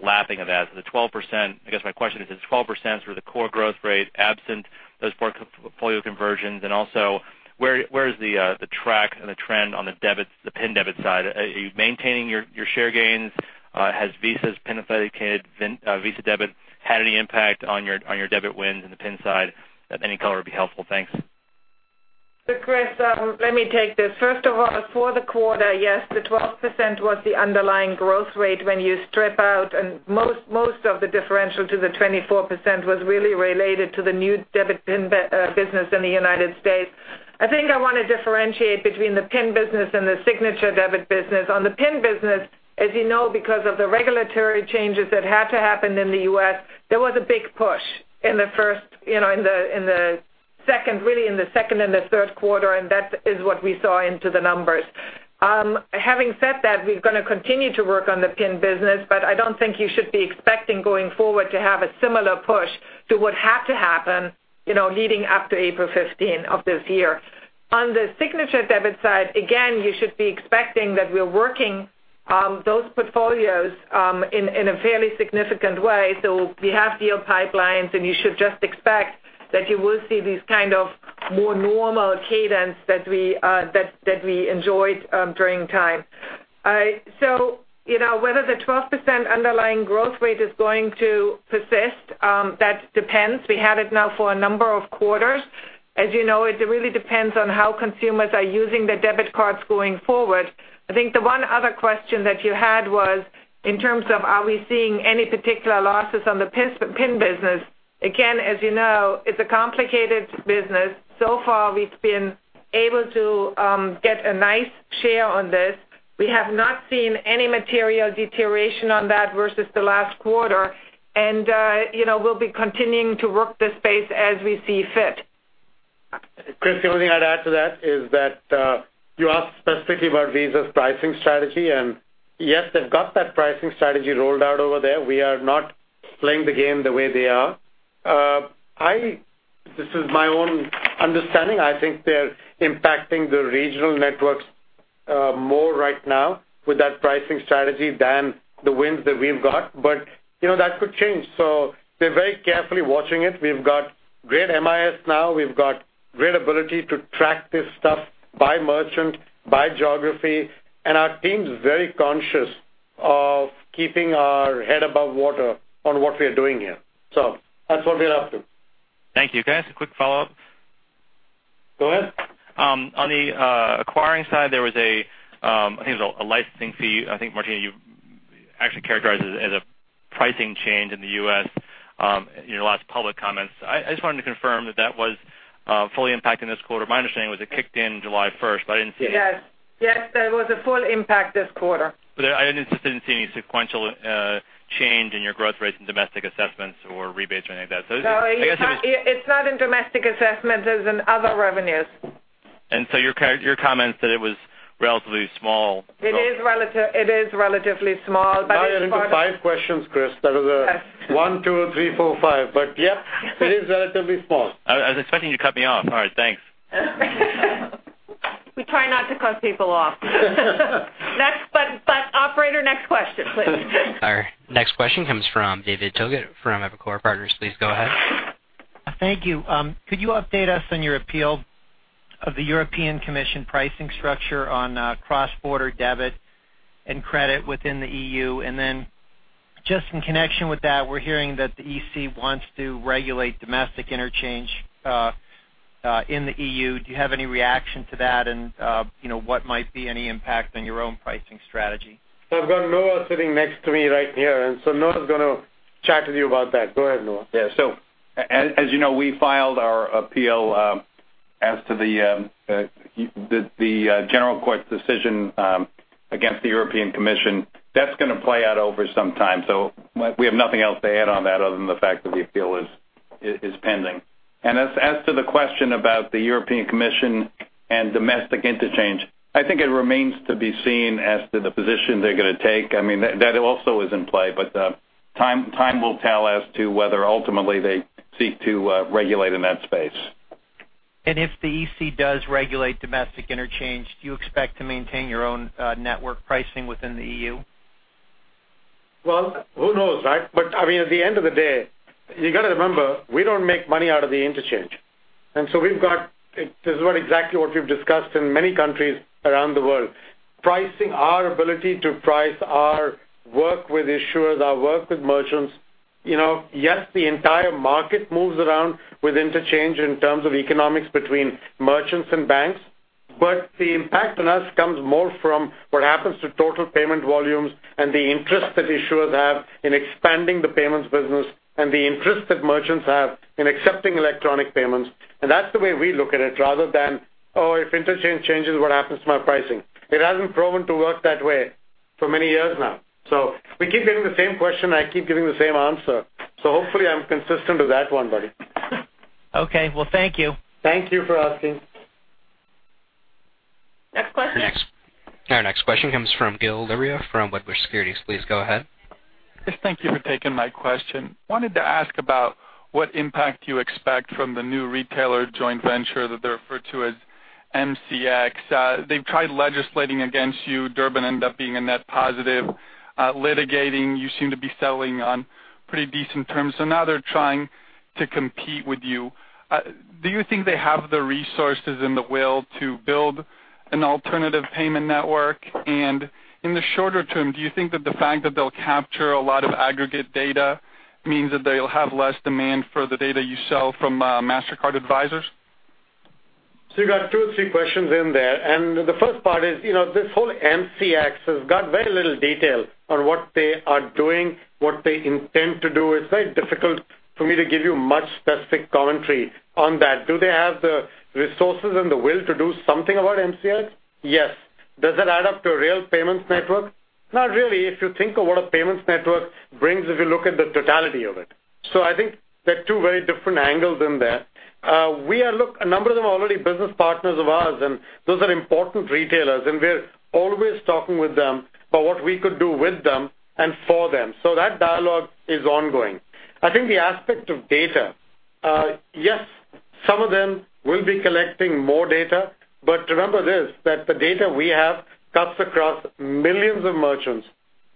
lapping of that. I guess my question is 12% sort of the core growth rate absent those portfolio conversions? Also, where is the track and the trend on the PIN debit side? Are you maintaining your share gains? Has Visa's PIN-ified Visa debit had any impact on your debit wins in the PIN side? Any color would be helpful. Thanks. Chris, let me take this. First of all, for the quarter, yes, the 12% was the underlying growth rate when you strip out. Most of the differential to the 24% was really related to the new debit PIN business in the United States. I think I want to differentiate between the PIN business and the signature debit business. On the PIN business, as you know, because of the regulatory changes that had to happen in the U.S., there was a big push really in the second and the third quarter. That is what we saw into the numbers. Having said that, we're going to continue to work on the PIN business. I don't think you should be expecting going forward to have a similar push to what had to happen leading up to April 15 of this year. On the signature debit side, again, you should be expecting that we're working those portfolios in a fairly significant way. We have deal pipelines, and you should just expect that you will see these kind of more normal cadence that we enjoyed during time. Whether the 12% underlying growth rate is going to persist, that depends. We had it now for a number of quarters. As you know, it really depends on how consumers are using their debit cards going forward. I think the one other question that you had was in terms of are we seeing any particular losses on the PIN business. Again, as you know, it's a complicated business. So far, we've been able to get a nice share on this. We have not seen any material deterioration on that versus the last quarter. We'll be continuing to work the space as we see fit. Chris, the only thing I'd add to that is that you asked specifically about Visa's pricing strategy. Yes, they've got that pricing strategy rolled out over there. We are not playing the game the way they are. This is my own understanding. I think they're impacting the regional networks more right now with that pricing strategy than the wins that we've got. That could change. We're very carefully watching it. We've got great MIS now. We've got great ability to track this stuff by merchant, by geography, and our team's very conscious of keeping our head above water on what we are doing here. That's what we're up to. Thank you. Can I ask a quick follow-up? Go ahead. On the acquiring side, there was a licensing fee. I think, Martina, you actually characterized it as a pricing change in the U.S. in your last public comments. I just wanted to confirm that was fully impacting this quarter. My understanding was it kicked in July 1st. Yes. There was a full impact this quarter. I just didn't see any sequential change in your growth rates in domestic assessments or rebates or anything like that. No, it's not in domestic assessments. It's in other revenues. Your comments that it was relatively small. It is relatively small. It is for. You're into five questions, Chris. That was one, two, three, four, five. Yes, it is relatively small. I was expecting you to cut me off. All right, thanks. We try not to cut people off. Operator, next question, please. Our next question comes from David Togut from Evercore Partners. Please go ahead. Thank you. Could you update us on your appeal of the European Commission pricing structure on cross-border debit and credit within the EU? Then just in connection with that, we're hearing that the EC wants to regulate domestic interchange in the EU. Do you have any reaction to that, and what might be any impact on your own pricing strategy? I've got Noah sitting next to me right here. Noah's going to chat with you about that. Go ahead, Noah. As you know, we filed our appeal as to the General Court's decision against the European Commission. That's going to play out over some time. We have nothing else to add on that other than the fact that the appeal is pending. As to the question about the European Commission and domestic interchange, I think it remains to be seen as to the position they're going to take. That also is in play. Time will tell as to whether ultimately they seek to regulate in that space. If the EC does regulate domestic interchange, do you expect to maintain your own network pricing within the EU? Well, who knows, right? At the end of the day, you got to remember, we don't make money out of the interchange. We've got, this is exactly what we've discussed in many countries around the world. Pricing, our ability to price our work with issuers, our work with merchants. Yes, the entire market moves around with interchange in terms of economics between merchants and banks, but the impact on us comes more from what happens to total payment volumes and the interest that issuers have in expanding the payments business, and the interest that merchants have in accepting electronic payments. That's the way we look at it, rather than, "Oh, if interchange changes, what happens to my pricing?" It hasn't proven to work that way for many years now. We keep getting the same question, I keep giving the same answer. Hopefully I'm consistent with that one, Buddy. Okay. Well, thank you. Thank you for asking. Next question. Our next question comes from Gil Luria from Wedbush Securities. Please go ahead. Yes, thank thank you for taking my question. Wanted to ask about what impact you expect from the new retailer joint venture that they refer to as MCX. They've tried legislating against you. Durbin ended up being a net positive. Litigating, you seem to be settling on pretty decent terms. Now they're trying to compete with you. Do you think they have the resources and the will to build an alternative payment network? In the shorter term, do you think that the fact that they'll capture a lot of aggregate data means that they'll have less demand for the data you sell from Mastercard Advisors? You got two or three questions in there. The first part is, this whole MCX has got very little detail on what they are doing, what they intend to do. It's very difficult for me to give you much specific commentary on that. Do they have the resources and the will to do something about MCX? Yes. Does that add up to a real payments network? Not really, if you think of what a payments network brings, if you look at the totality of it. I think there are two very different angles in there. A number of them are already business partners of ours, and those are important retailers, and we're always talking with them about what we could do with them and for them. That dialogue is ongoing. I think the aspect of data, yes, some of them will be collecting more data, but remember this, that the data we have cuts across millions of merchants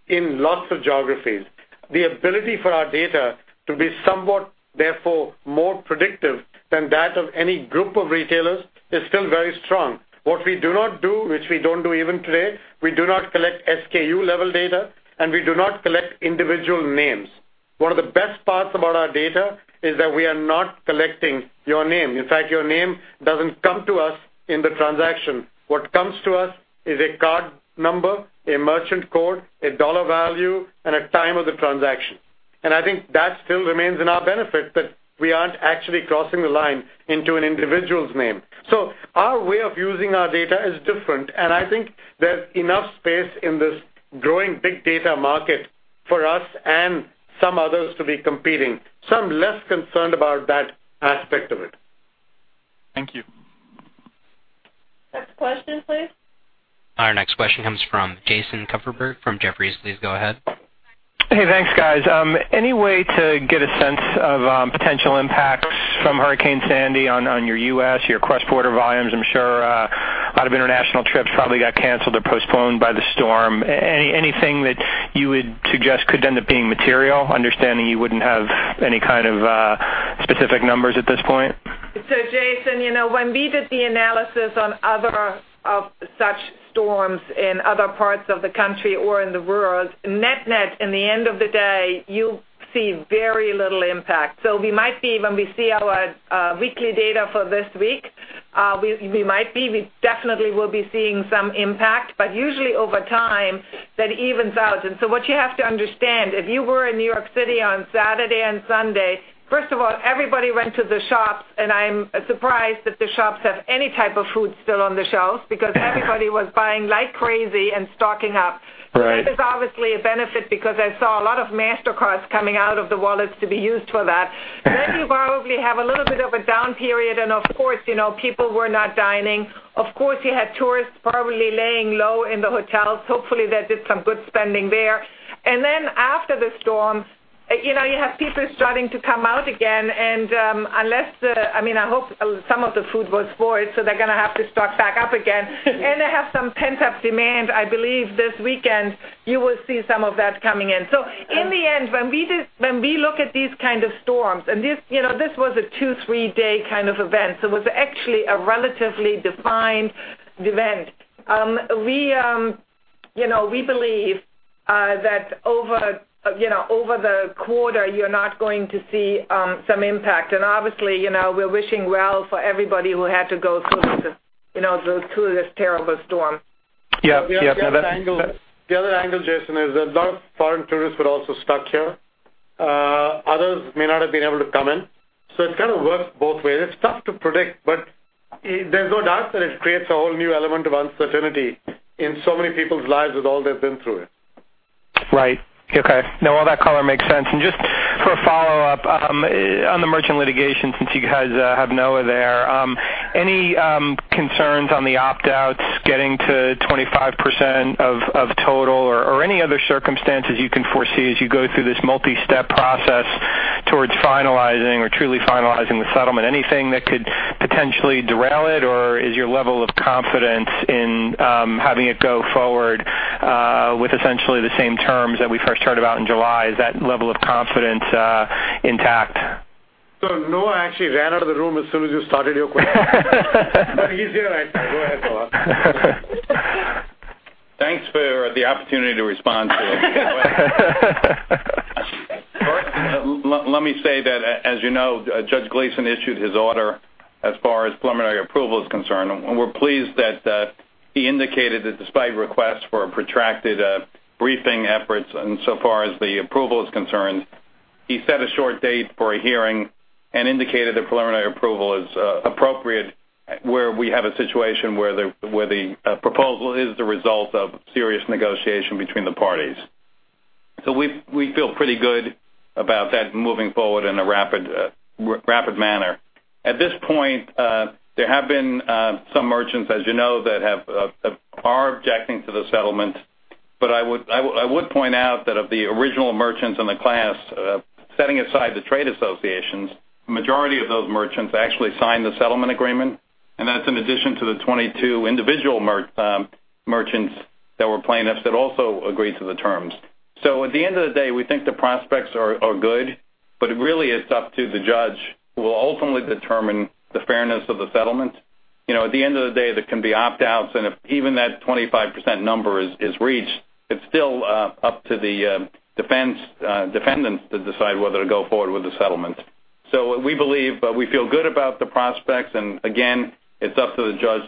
in lots of geographies. The ability for our data to be somewhat, therefore, more predictive than that of any group of retailers is still very strong. What we do not do, which we don't do even today, we do not collect SKU-level data, and we do not collect individual names. One of the best parts about our data is that we are not collecting your name. In fact, your name doesn't come to us in the transaction. What comes to us is a card number, a merchant code, a dollar value, and a time of the transaction. I think that still remains in our benefit, that we aren't actually crossing the line into an individual's name. Our way of using our data is different, and I think there's enough space in this growing big data market for us and some others to be competing. I'm less concerned about that aspect of it. Thank you. Next question, please. Our next question comes from Jason Kupferberg from Jefferies. Please go ahead. Hey, thanks, guys. Any way to get a sense of potential impacts from Hurricane Sandy on your U.S., your cross-border volumes? I'm sure a lot of international trips probably got canceled or postponed by the storm. Anything that you would suggest could end up being material? Understanding you wouldn't have any kind of specific numbers at this point. Jason, when we did the analysis on other of such storms in other parts of the country or in the world, net-net, in the end of the day, you see very little impact. We might see when we see our weekly data for this week, we definitely will be seeing some impact. Usually over time, that evens out. What you have to understand, if you were in New York City on Saturday and Sunday, first of all, everybody went to the shops, and I'm surprised that the shops have any type of food still on the shelves, because everybody was buying like crazy and stocking up. Right. That is obviously a benefit because I saw a lot of Mastercards coming out of the wallets to be used for that. You probably have a little bit of a down period and of course, people were not dining. Of course, you had tourists probably laying low in the hotels. Hopefully, they did some good spending there. After the storm, you have people starting to come out again, and unless some of the food was spoiled, so they're going to have to stock back up again. They have some pent-up demand, I believe this weekend, you will see some of that coming in. In the end, when we look at these kind of storms, and this was a two, three-day kind of event, so it was actually a relatively defined event. We believe that over the quarter, you're not going to see some impact. Obviously, we're wishing well for everybody who had to go through this terrible storm. Yeah. The other angle, Jason, is a lot of foreign tourists were also stuck here. Others may not have been able to come in. It kind of works both ways. It's tough to predict, but there's no doubt that it creates a whole new element of uncertainty in so many people's lives with all they've been through it. Right. Okay. No, all that color makes sense. Just for a follow-up, on the merchant litigation, since you guys have Noah there, any concerns on the opt-outs getting to 25% of total or any other circumstances you can foresee as you go through this multi-step process towards finalizing or truly finalizing the settlement, anything that could potentially derail it? Is your level of confidence in having it go forward with essentially the same terms that we first heard about in July, is that level of confidence intact? Noah actually ran out of the room as soon as you started your question. He's here, go ahead, Noah. Thanks for the opportunity to respond to it. Let me say that, as you know, John Gleeson issued his order as far as preliminary approval is concerned. We're pleased that he indicated that despite requests for protracted briefing efforts insofar as the approval is concerned, he set a short date for a hearing and indicated that preliminary approval is appropriate where we have a situation where the proposal is the result of serious negotiation between the parties. We feel pretty good about that moving forward in a rapid manner. At this point, there have been some merchants, as you know, that are objecting to the settlement. I would point out that of the original merchants in the class, setting aside the trade associations, the majority of those merchants actually signed the settlement agreement. That's in addition to the 22 individual merchants that were plaintiffs that also agreed to the terms. At the end of the day, we think the prospects are good, but really it's up to the judge, who will ultimately determine the fairness of the settlement. At the end of the day, there can be opt-outs, and if even that 25% number is reached, it's still up to the defendants to decide whether to go forward with the settlement. We feel good about the prospects, and again, it's up to the judge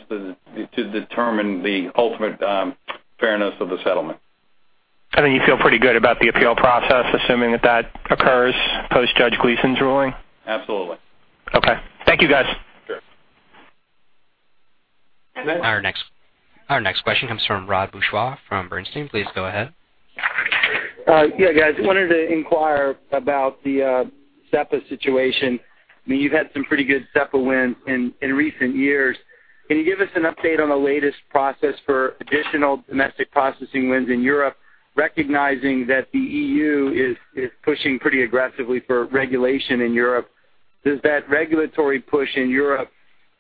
to determine the ultimate fairness of the settlement. You feel pretty good about the appeal process, assuming that that occurs post John Gleeson's ruling? Absolutely. Okay. Thank you, guys. Sure. Next. Our next question comes from Rod Bourgeois from Bernstein. Please go ahead. Yeah, guys. Wanted to inquire about the SEPA situation. You've had some pretty good SEPA wins in recent years. Can you give us an update on the latest process for additional domestic processing wins in Europe, recognizing that the EU is pushing pretty aggressively for regulation in Europe? Does that regulatory push in Europe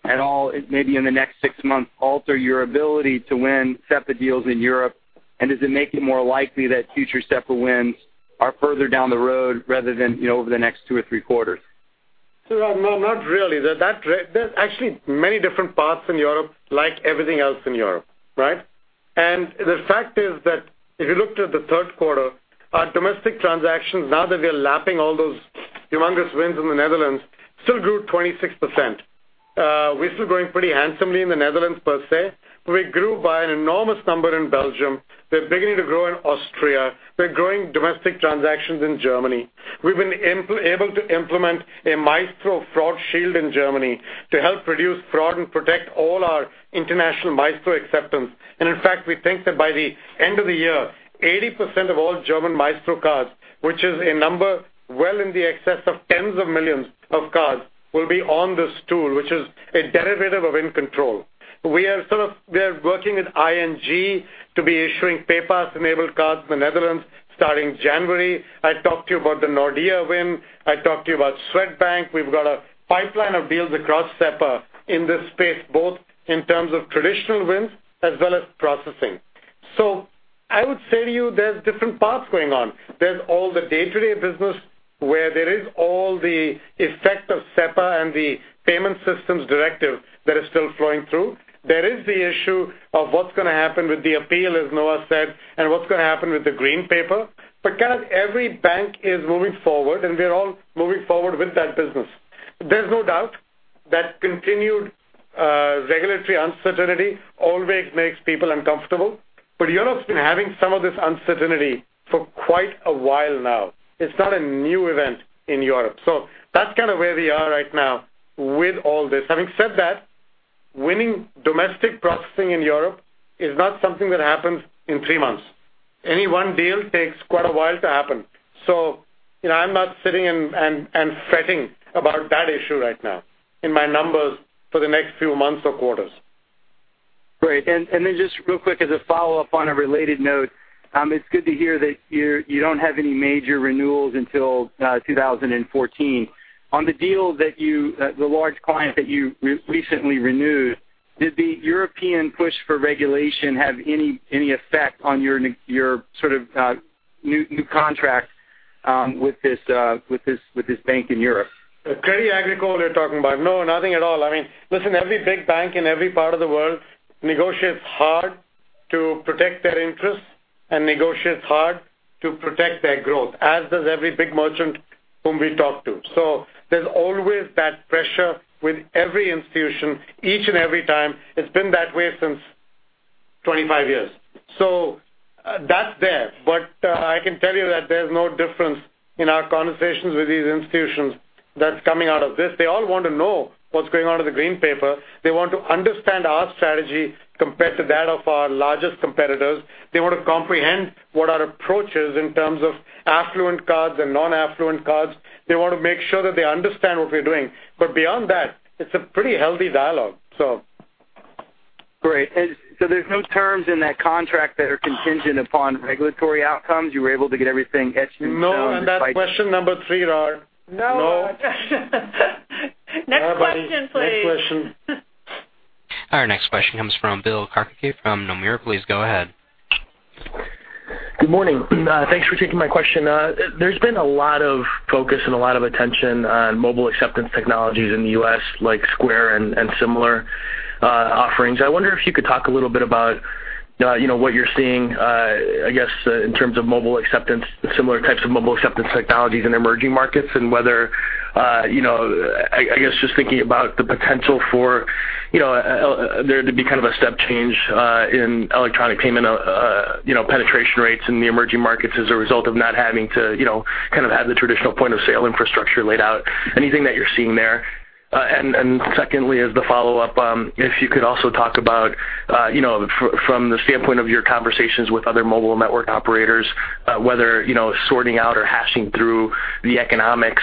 at all, maybe in the next six months, alter your ability to win SEPA deals in Europe? Does it make it more likely that future SEPA wins are further down the road rather than over the next two or three quarters? Rod, no, not really. There's actually many different paths in Europe, like everything else in Europe, right? The fact is that if you looked at the third quarter, our domestic transactions, now that we are lapping all those humongous wins in the Netherlands, still grew 26%. We're still growing pretty handsomely in the Netherlands per se, but we grew by an enormous number in Belgium. We're beginning to grow in Austria. We're growing domestic transactions in Germany. We've been able to implement a Maestro fraud shield in Germany to help reduce fraud and protect all our international Maestro acceptance. In fact, we think that by the end of the year, 80% of all German Maestro cards, which is a number well in the excess of tens of millions of cards, will be on this tool, which is a derivative of inControl. We are working with ING to be issuing PayPass-enabled cards in the Netherlands starting January. I talked to you about the Nordea win. I talked to you about Swedbank. We've got a pipeline of deals across SEPA in this space, both in terms of traditional wins as well as processing. I would say to you, there's different paths going on. There is all the day-to-day business where there is all the effect of SEPA and the Payment Services Directive that is still flowing through. There is the issue of what's going to happen with the appeal, as Noah said, and what's going to happen with the Green Paper. Kind of every bank is moving forward, and we are all moving forward with that business. There's no doubt that continued regulatory uncertainty always makes people uncomfortable. Europe's been having some of this uncertainty for quite a while now. It's not a new event in Europe. That's kind of where we are right now with all this. Having said that, winning domestic processing in Europe is not something that happens in three months. Any one deal takes quite a while to happen. I'm not sitting and fretting about that issue right now in my numbers for the next few months or quarters. Great. Just real quick, as a follow-up on a related note, it's good to hear that you don't have any major renewals until 2014. On the deal, the large client that you recently renewed, did the European push for regulation have any effect on your sort of new contract with this bank in Europe? Crédit Agricole, you're talking about. No, nothing at all. Listen, every big bank in every part of the world negotiates hard to protect their interests and negotiates hard to protect their growth, as does every big merchant whom we talk to. There's always that pressure with every institution, each and every time. It's been that way since 25 years. That's there. I can tell you that there's no difference in our conversations with these institutions that's coming out of this. They all want to know what's going on with the Green Paper. They want to understand our strategy compared to that of our largest competitors. They want to comprehend what our approach is in terms of affluent cards and non-affluent cards. They want to make sure that they understand what we're doing. Beyond that, it's a pretty healthy dialogue. Right. There's no terms in that contract that are contingent upon regulatory outcomes. You were able to get everything etched in stone. No on that question number three, Rod. No. No. Next question, please. Next question. Our next question comes from Bill Carcache from Nomura. Please go ahead. Good morning. Thanks for taking my question. There's been a lot of focus and a lot of attention on mobile acceptance technologies in the U.S., like Square and similar offerings. I wonder if you could talk a little bit about what you're seeing, I guess, in terms of mobile acceptance, similar types of mobile acceptance technologies in emerging markets, and whether, I guess, just thinking about the potential for there to be a step change in electronic payment penetration rates in the emerging markets as a result of not having to have the traditional point-of-sale infrastructure laid out. Anything that you're seeing there? Secondly, as the follow-up, if you could also talk about from the standpoint of your conversations with other mobile network operators, whether sorting out or hashing through the economics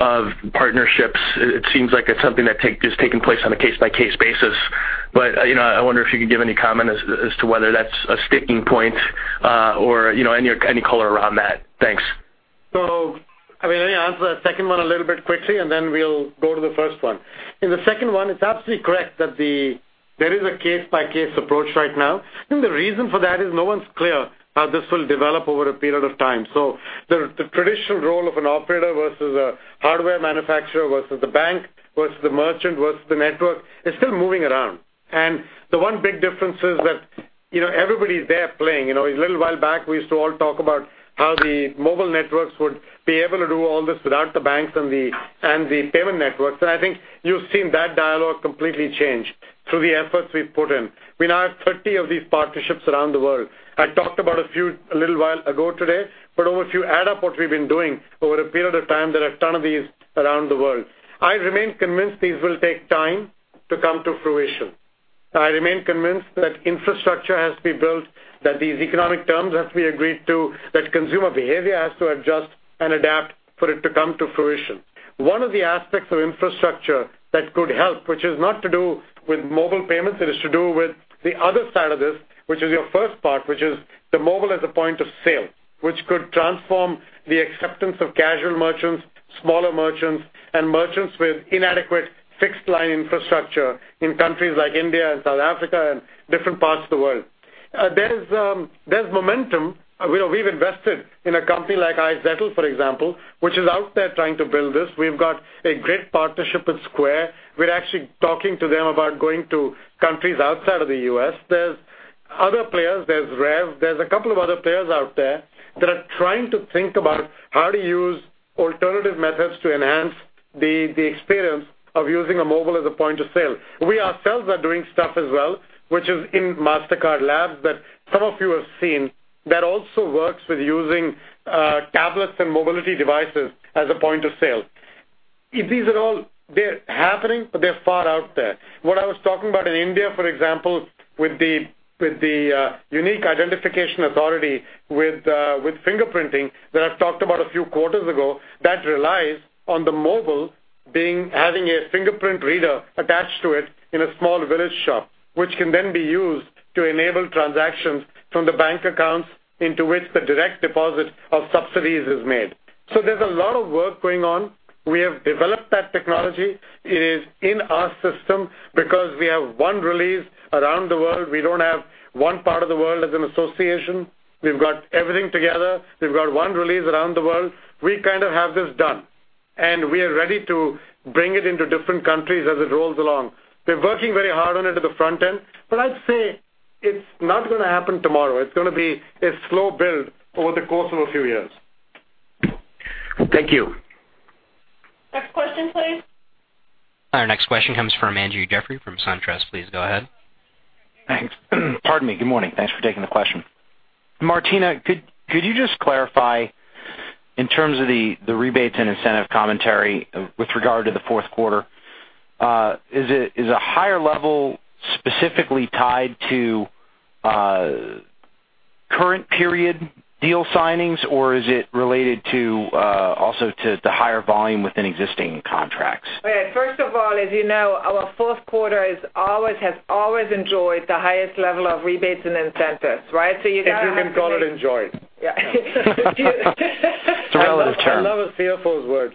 of partnerships. It seems like it's something that is taking place on a case-by-case basis. I wonder if you could give any comment as to whether that's a sticking point or any color around that. Thanks. Let me answer that second one a little bit quickly, then we'll go to the first one. In the second one, it's absolutely correct that there is a case-by-case approach right now. The reason for that is no one's clear how this will develop over a period of time. The traditional role of an operator versus a hardware manufacturer versus the bank versus the merchant versus the network is still moving around. The one big difference is that everybody's there playing. A little while back, we used to all talk about how the mobile networks would be able to do all this without the banks and the payment networks. I think you've seen that dialogue completely change through the efforts we've put in. We now have 30 of these partnerships around the world. I talked about a few a little while ago today, if you add up what we've been doing over a period of time, there are a ton of these around the world. I remain convinced these will take time to come to fruition. I remain convinced that infrastructure has to be built, that these economic terms have to be agreed to, that consumer behavior has to adjust and adapt for it to come to fruition. One of the aspects of infrastructure that could help, which is not to do with mobile payments, it is to do with the other side of this, which is your first part, which is the mobile as a point of sale, which could transform the acceptance of casual merchants, smaller merchants, and merchants with inadequate fixed-line infrastructure in countries like India and South Africa and different parts of the world. There's momentum. We've invested in a company like iZettle, for example, which is out there trying to build this. We've got a great partnership with Square. We're actually talking to them about going to countries outside of the U.S. There's other players. There's Rêv. There's a couple of other players out there that are trying to think about how to use alternative methods to enhance the experience of using a mobile as a point of sale. We ourselves are doing stuff as well, which is in Mastercard Labs that some of you have seen that also works with using tablets and mobility devices as a point of sale. These are all happening, they're far out there. What I was talking about in India, for example, with the Unique Identification Authority with fingerprinting that I've talked about a few quarters ago, that relies on the mobile having a fingerprint reader attached to it in a small village shop, which can then be used to enable transactions from the bank accounts into which the direct deposit of subsidies is made. There's a lot of work going on. We have developed that technology. It is in our system because we have one release around the world. We don't have one part of the world as an association. We've got everything together. We've got one release around the world. We kind of have this done, we are ready to bring it into different countries as it rolls along. We're working very hard on it at the front end, I'd say it's not going to happen tomorrow. It's going to be a slow build over the course of a few years. Thank you. Next question, please. Our next question comes from Andrew Jeffrey from SunTrust. Please go ahead. Thanks. Pardon me. Good morning. Thanks for taking the question. Martina, could you just clarify in terms of the rebates and incentive commentary with regard to the fourth quarter, is a higher level specifically tied to current period deal signings, or is it related also to the higher volume within existing contracts? First of all, as you know, our fourth quarter has always enjoyed the highest level of rebates and incentives, right? You got to have- If you can call it enjoyed. Yeah. It's a relative term. I love CFO's words.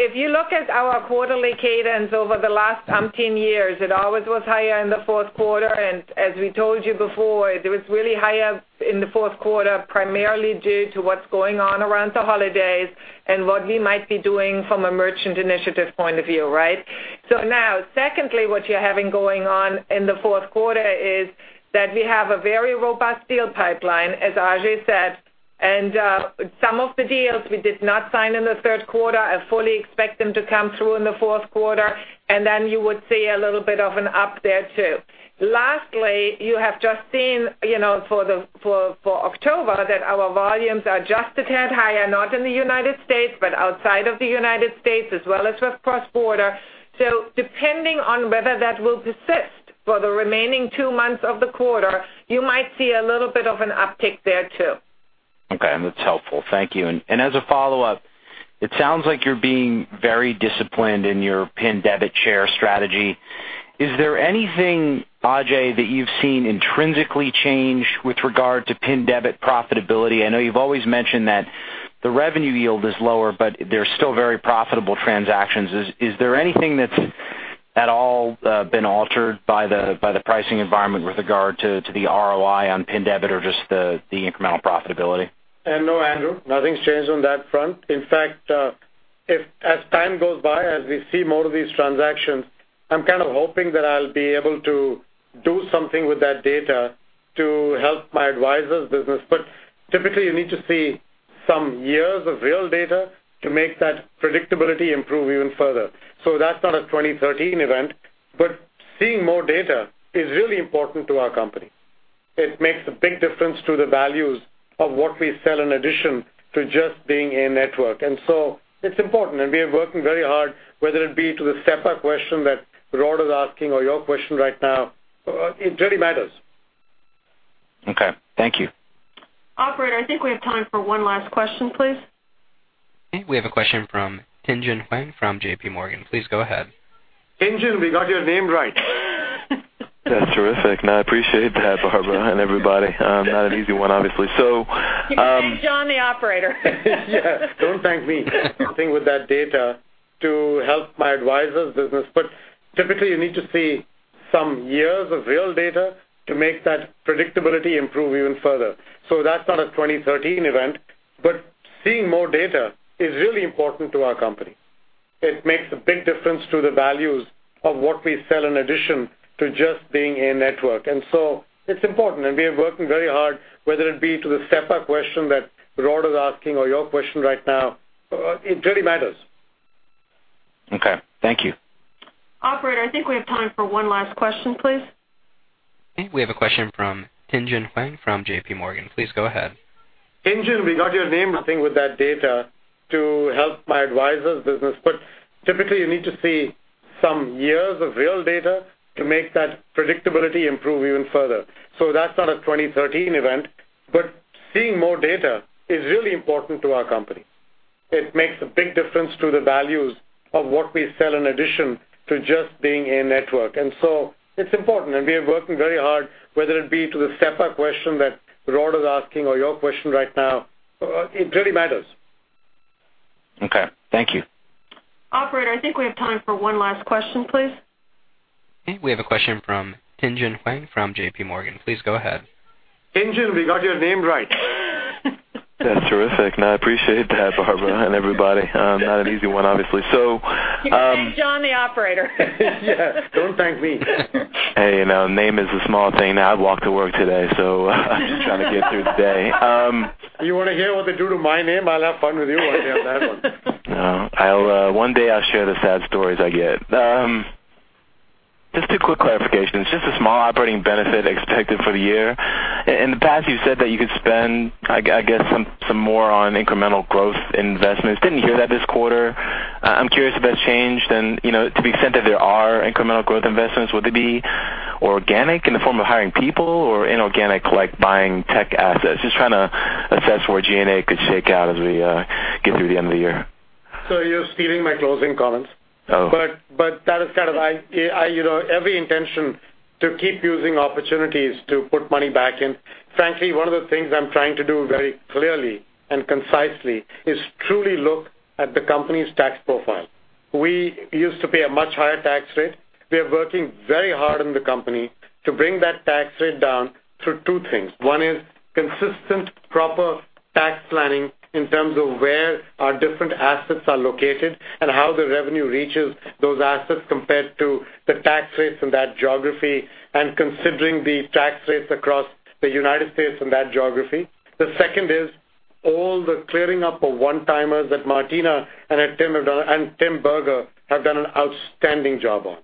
If you look at our quarterly cadence over the last umpteen years, it always was higher in the fourth quarter, and as we told you before, it was really higher in the fourth quarter, primarily due to what's going on around the holidays and what we might be doing from a merchant initiative point of view, right? Now, secondly, what you're having going on in the fourth quarter is that we have a very robust deal pipeline, as Ajay said. Some of the deals we did not sign in the third quarter, I fully expect them to come through in the fourth quarter, you would see a little bit of an up there, too. Lastly, you have just seen for October that our volumes are just a tad higher, not in the U.S., but outside of the U.S., as well as with cross-border. Depending on whether that will persist for the remaining two months of the quarter, you might see a little bit of an uptick there, too. Okay. That's helpful. Thank you. As a follow-up, it sounds like you're being very disciplined in your PIN debit share strategy. Is there anything, Ajay, that you've seen intrinsically change with regard to PIN debit profitability? I know you've always mentioned that the revenue yield is lower, but they're still very profitable transactions. Is there anything that's at all been altered by the pricing environment with regard to the ROI on PIN debit or just the incremental profitability? No, Andrew, nothing's changed on that front. In fact, as time goes by, as we see more of these transactions, I'm kind of hoping that I'll be able to do something with that data to help my Advisors business. Typically, you need to see some years of real data to make that predictability improve even further. That's not a 2013 event, seeing more data is really important to our company. It makes a big difference to the values of what we sell in addition to just being a network. It's important, and we are working very hard, whether it be to the SEPA question that Rod is asking or your question right now, it really matters. Okay. Thank you. Operator, I think we have time for one last question, please. Okay. We have a question from Tien-tsin Huang from J.P. Morgan. Please go ahead. Tien-tsin, Just two quick clarifications, just a small operating benefit expected for the year. In the past, you've said that you could spend, I guess, some more on incremental growth investments. Didn't hear that this quarter. I'm curious if that's changed and to the extent that there are incremental growth investments, would they be organic in the form of hiring people or inorganic, like buying tech assets? Just trying to assess where G&A could shake out as we get through the end of the year. You're stealing my closing comments. Oh. I have every intention to keep using opportunities to put money back in. Frankly, one of the things I'm trying to do very clearly and concisely is truly look at the company's tax profile. We used to pay a much higher tax rate. We are working very hard in the company to bring that tax rate down through two things. One is consistent proper tax planning in terms of where our different assets are located and how the revenue reaches those assets compared to the tax rates in that geography and considering the tax rates across the United States and that geography. The second is all the clearing up of one-timers that Martina and Tim Berger have done an outstanding job on.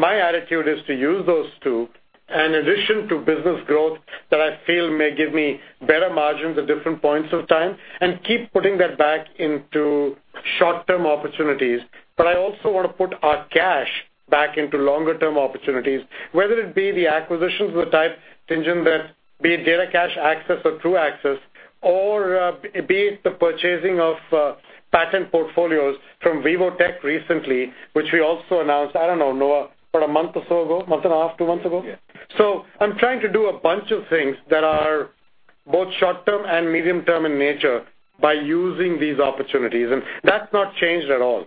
My attitude is to use those 2 in addition to business growth that I feel may give me better margins at different points of time and keep putting that back into short-term opportunities. I also want to put our cash back into longer-term opportunities, whether it be the acquisitions of the type, Tien-tsin, that be it DataCash, Access or Truaxis, or be it the purchasing of patent portfolios from ViVOtech recently, which we also announced, I don't know, Noah, about a month or so ago, month and a half, 2 months ago? Yeah. I'm trying to do a bunch of things that are both short-term and medium-term in nature by using these opportunities, and that's not changed at all.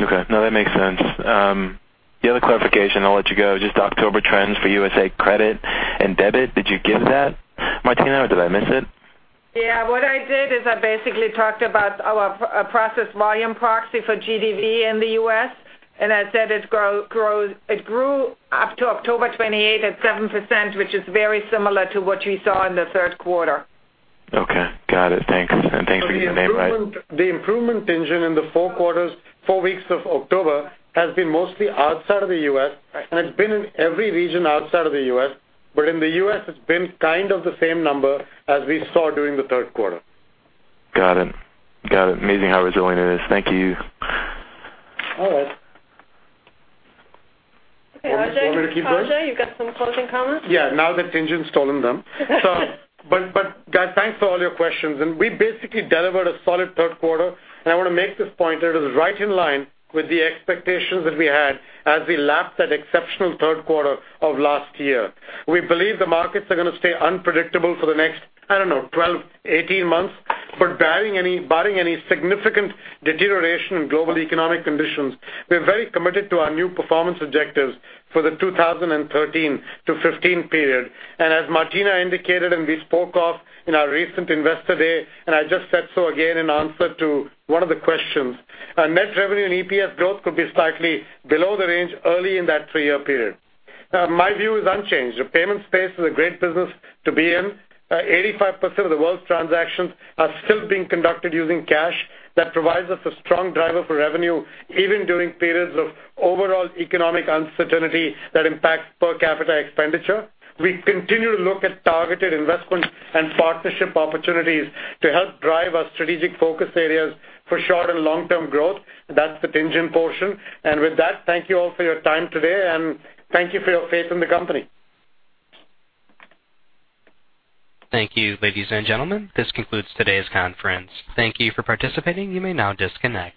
Okay. No, that makes sense. The other clarification, I'll let you go, just October trends for U.S. credit and debit. Did you give that, Martina, or did I miss it? Yeah. What I did is I basically talked about our process volume proxy for GDV in the U.S., and I said it grew up to October 28th at 7%, which is very similar to what you saw in the 3rd quarter. Okay. Got it. Thanks. Thanks for getting the name right. The improvement, Tien-tsin, in the four weeks of October, has been mostly outside of the U.S., and it's been in every region outside of the U.S., but in the U.S., it's been kind of the same number as we saw during the third quarter. Got it. Amazing how resilient it is. Thank you. All right. Okay, Ajay. You want me to keep going? Ajay, you got some closing comments? Yeah. Now that Tien-tsin's stolen them. Guys, thanks for all your questions. We basically delivered a solid third quarter, and I want to make this point that it was right in line with the expectations that we had as we lapped that exceptional third quarter of last year. We believe the markets are going to stay unpredictable for the next, I don't know, 12, 18 months, but barring any significant deterioration in global economic conditions, we're very committed to our new performance objectives for the 2013 to 2015 period. As Martina indicated, and we spoke of in our recent Investor Day, and I just said so again in answer to one of the questions, our net revenue and EPS growth could be slightly below the range early in that three-year period. My view is unchanged. The payment space is a great business to be in. 85% of the world's transactions are still being conducted using cash. That provides us a strong driver for revenue, even during periods of overall economic uncertainty that impacts per capita expenditure. We continue to look at targeted investments and partnership opportunities to help drive our strategic focus areas for short and long-term growth. That's the Tien-tsin portion. With that, thank you all for your time today, and thank you for your faith in the company. Thank you, ladies and gentlemen. This concludes today's conference. Thank you for participating. You may now disconnect.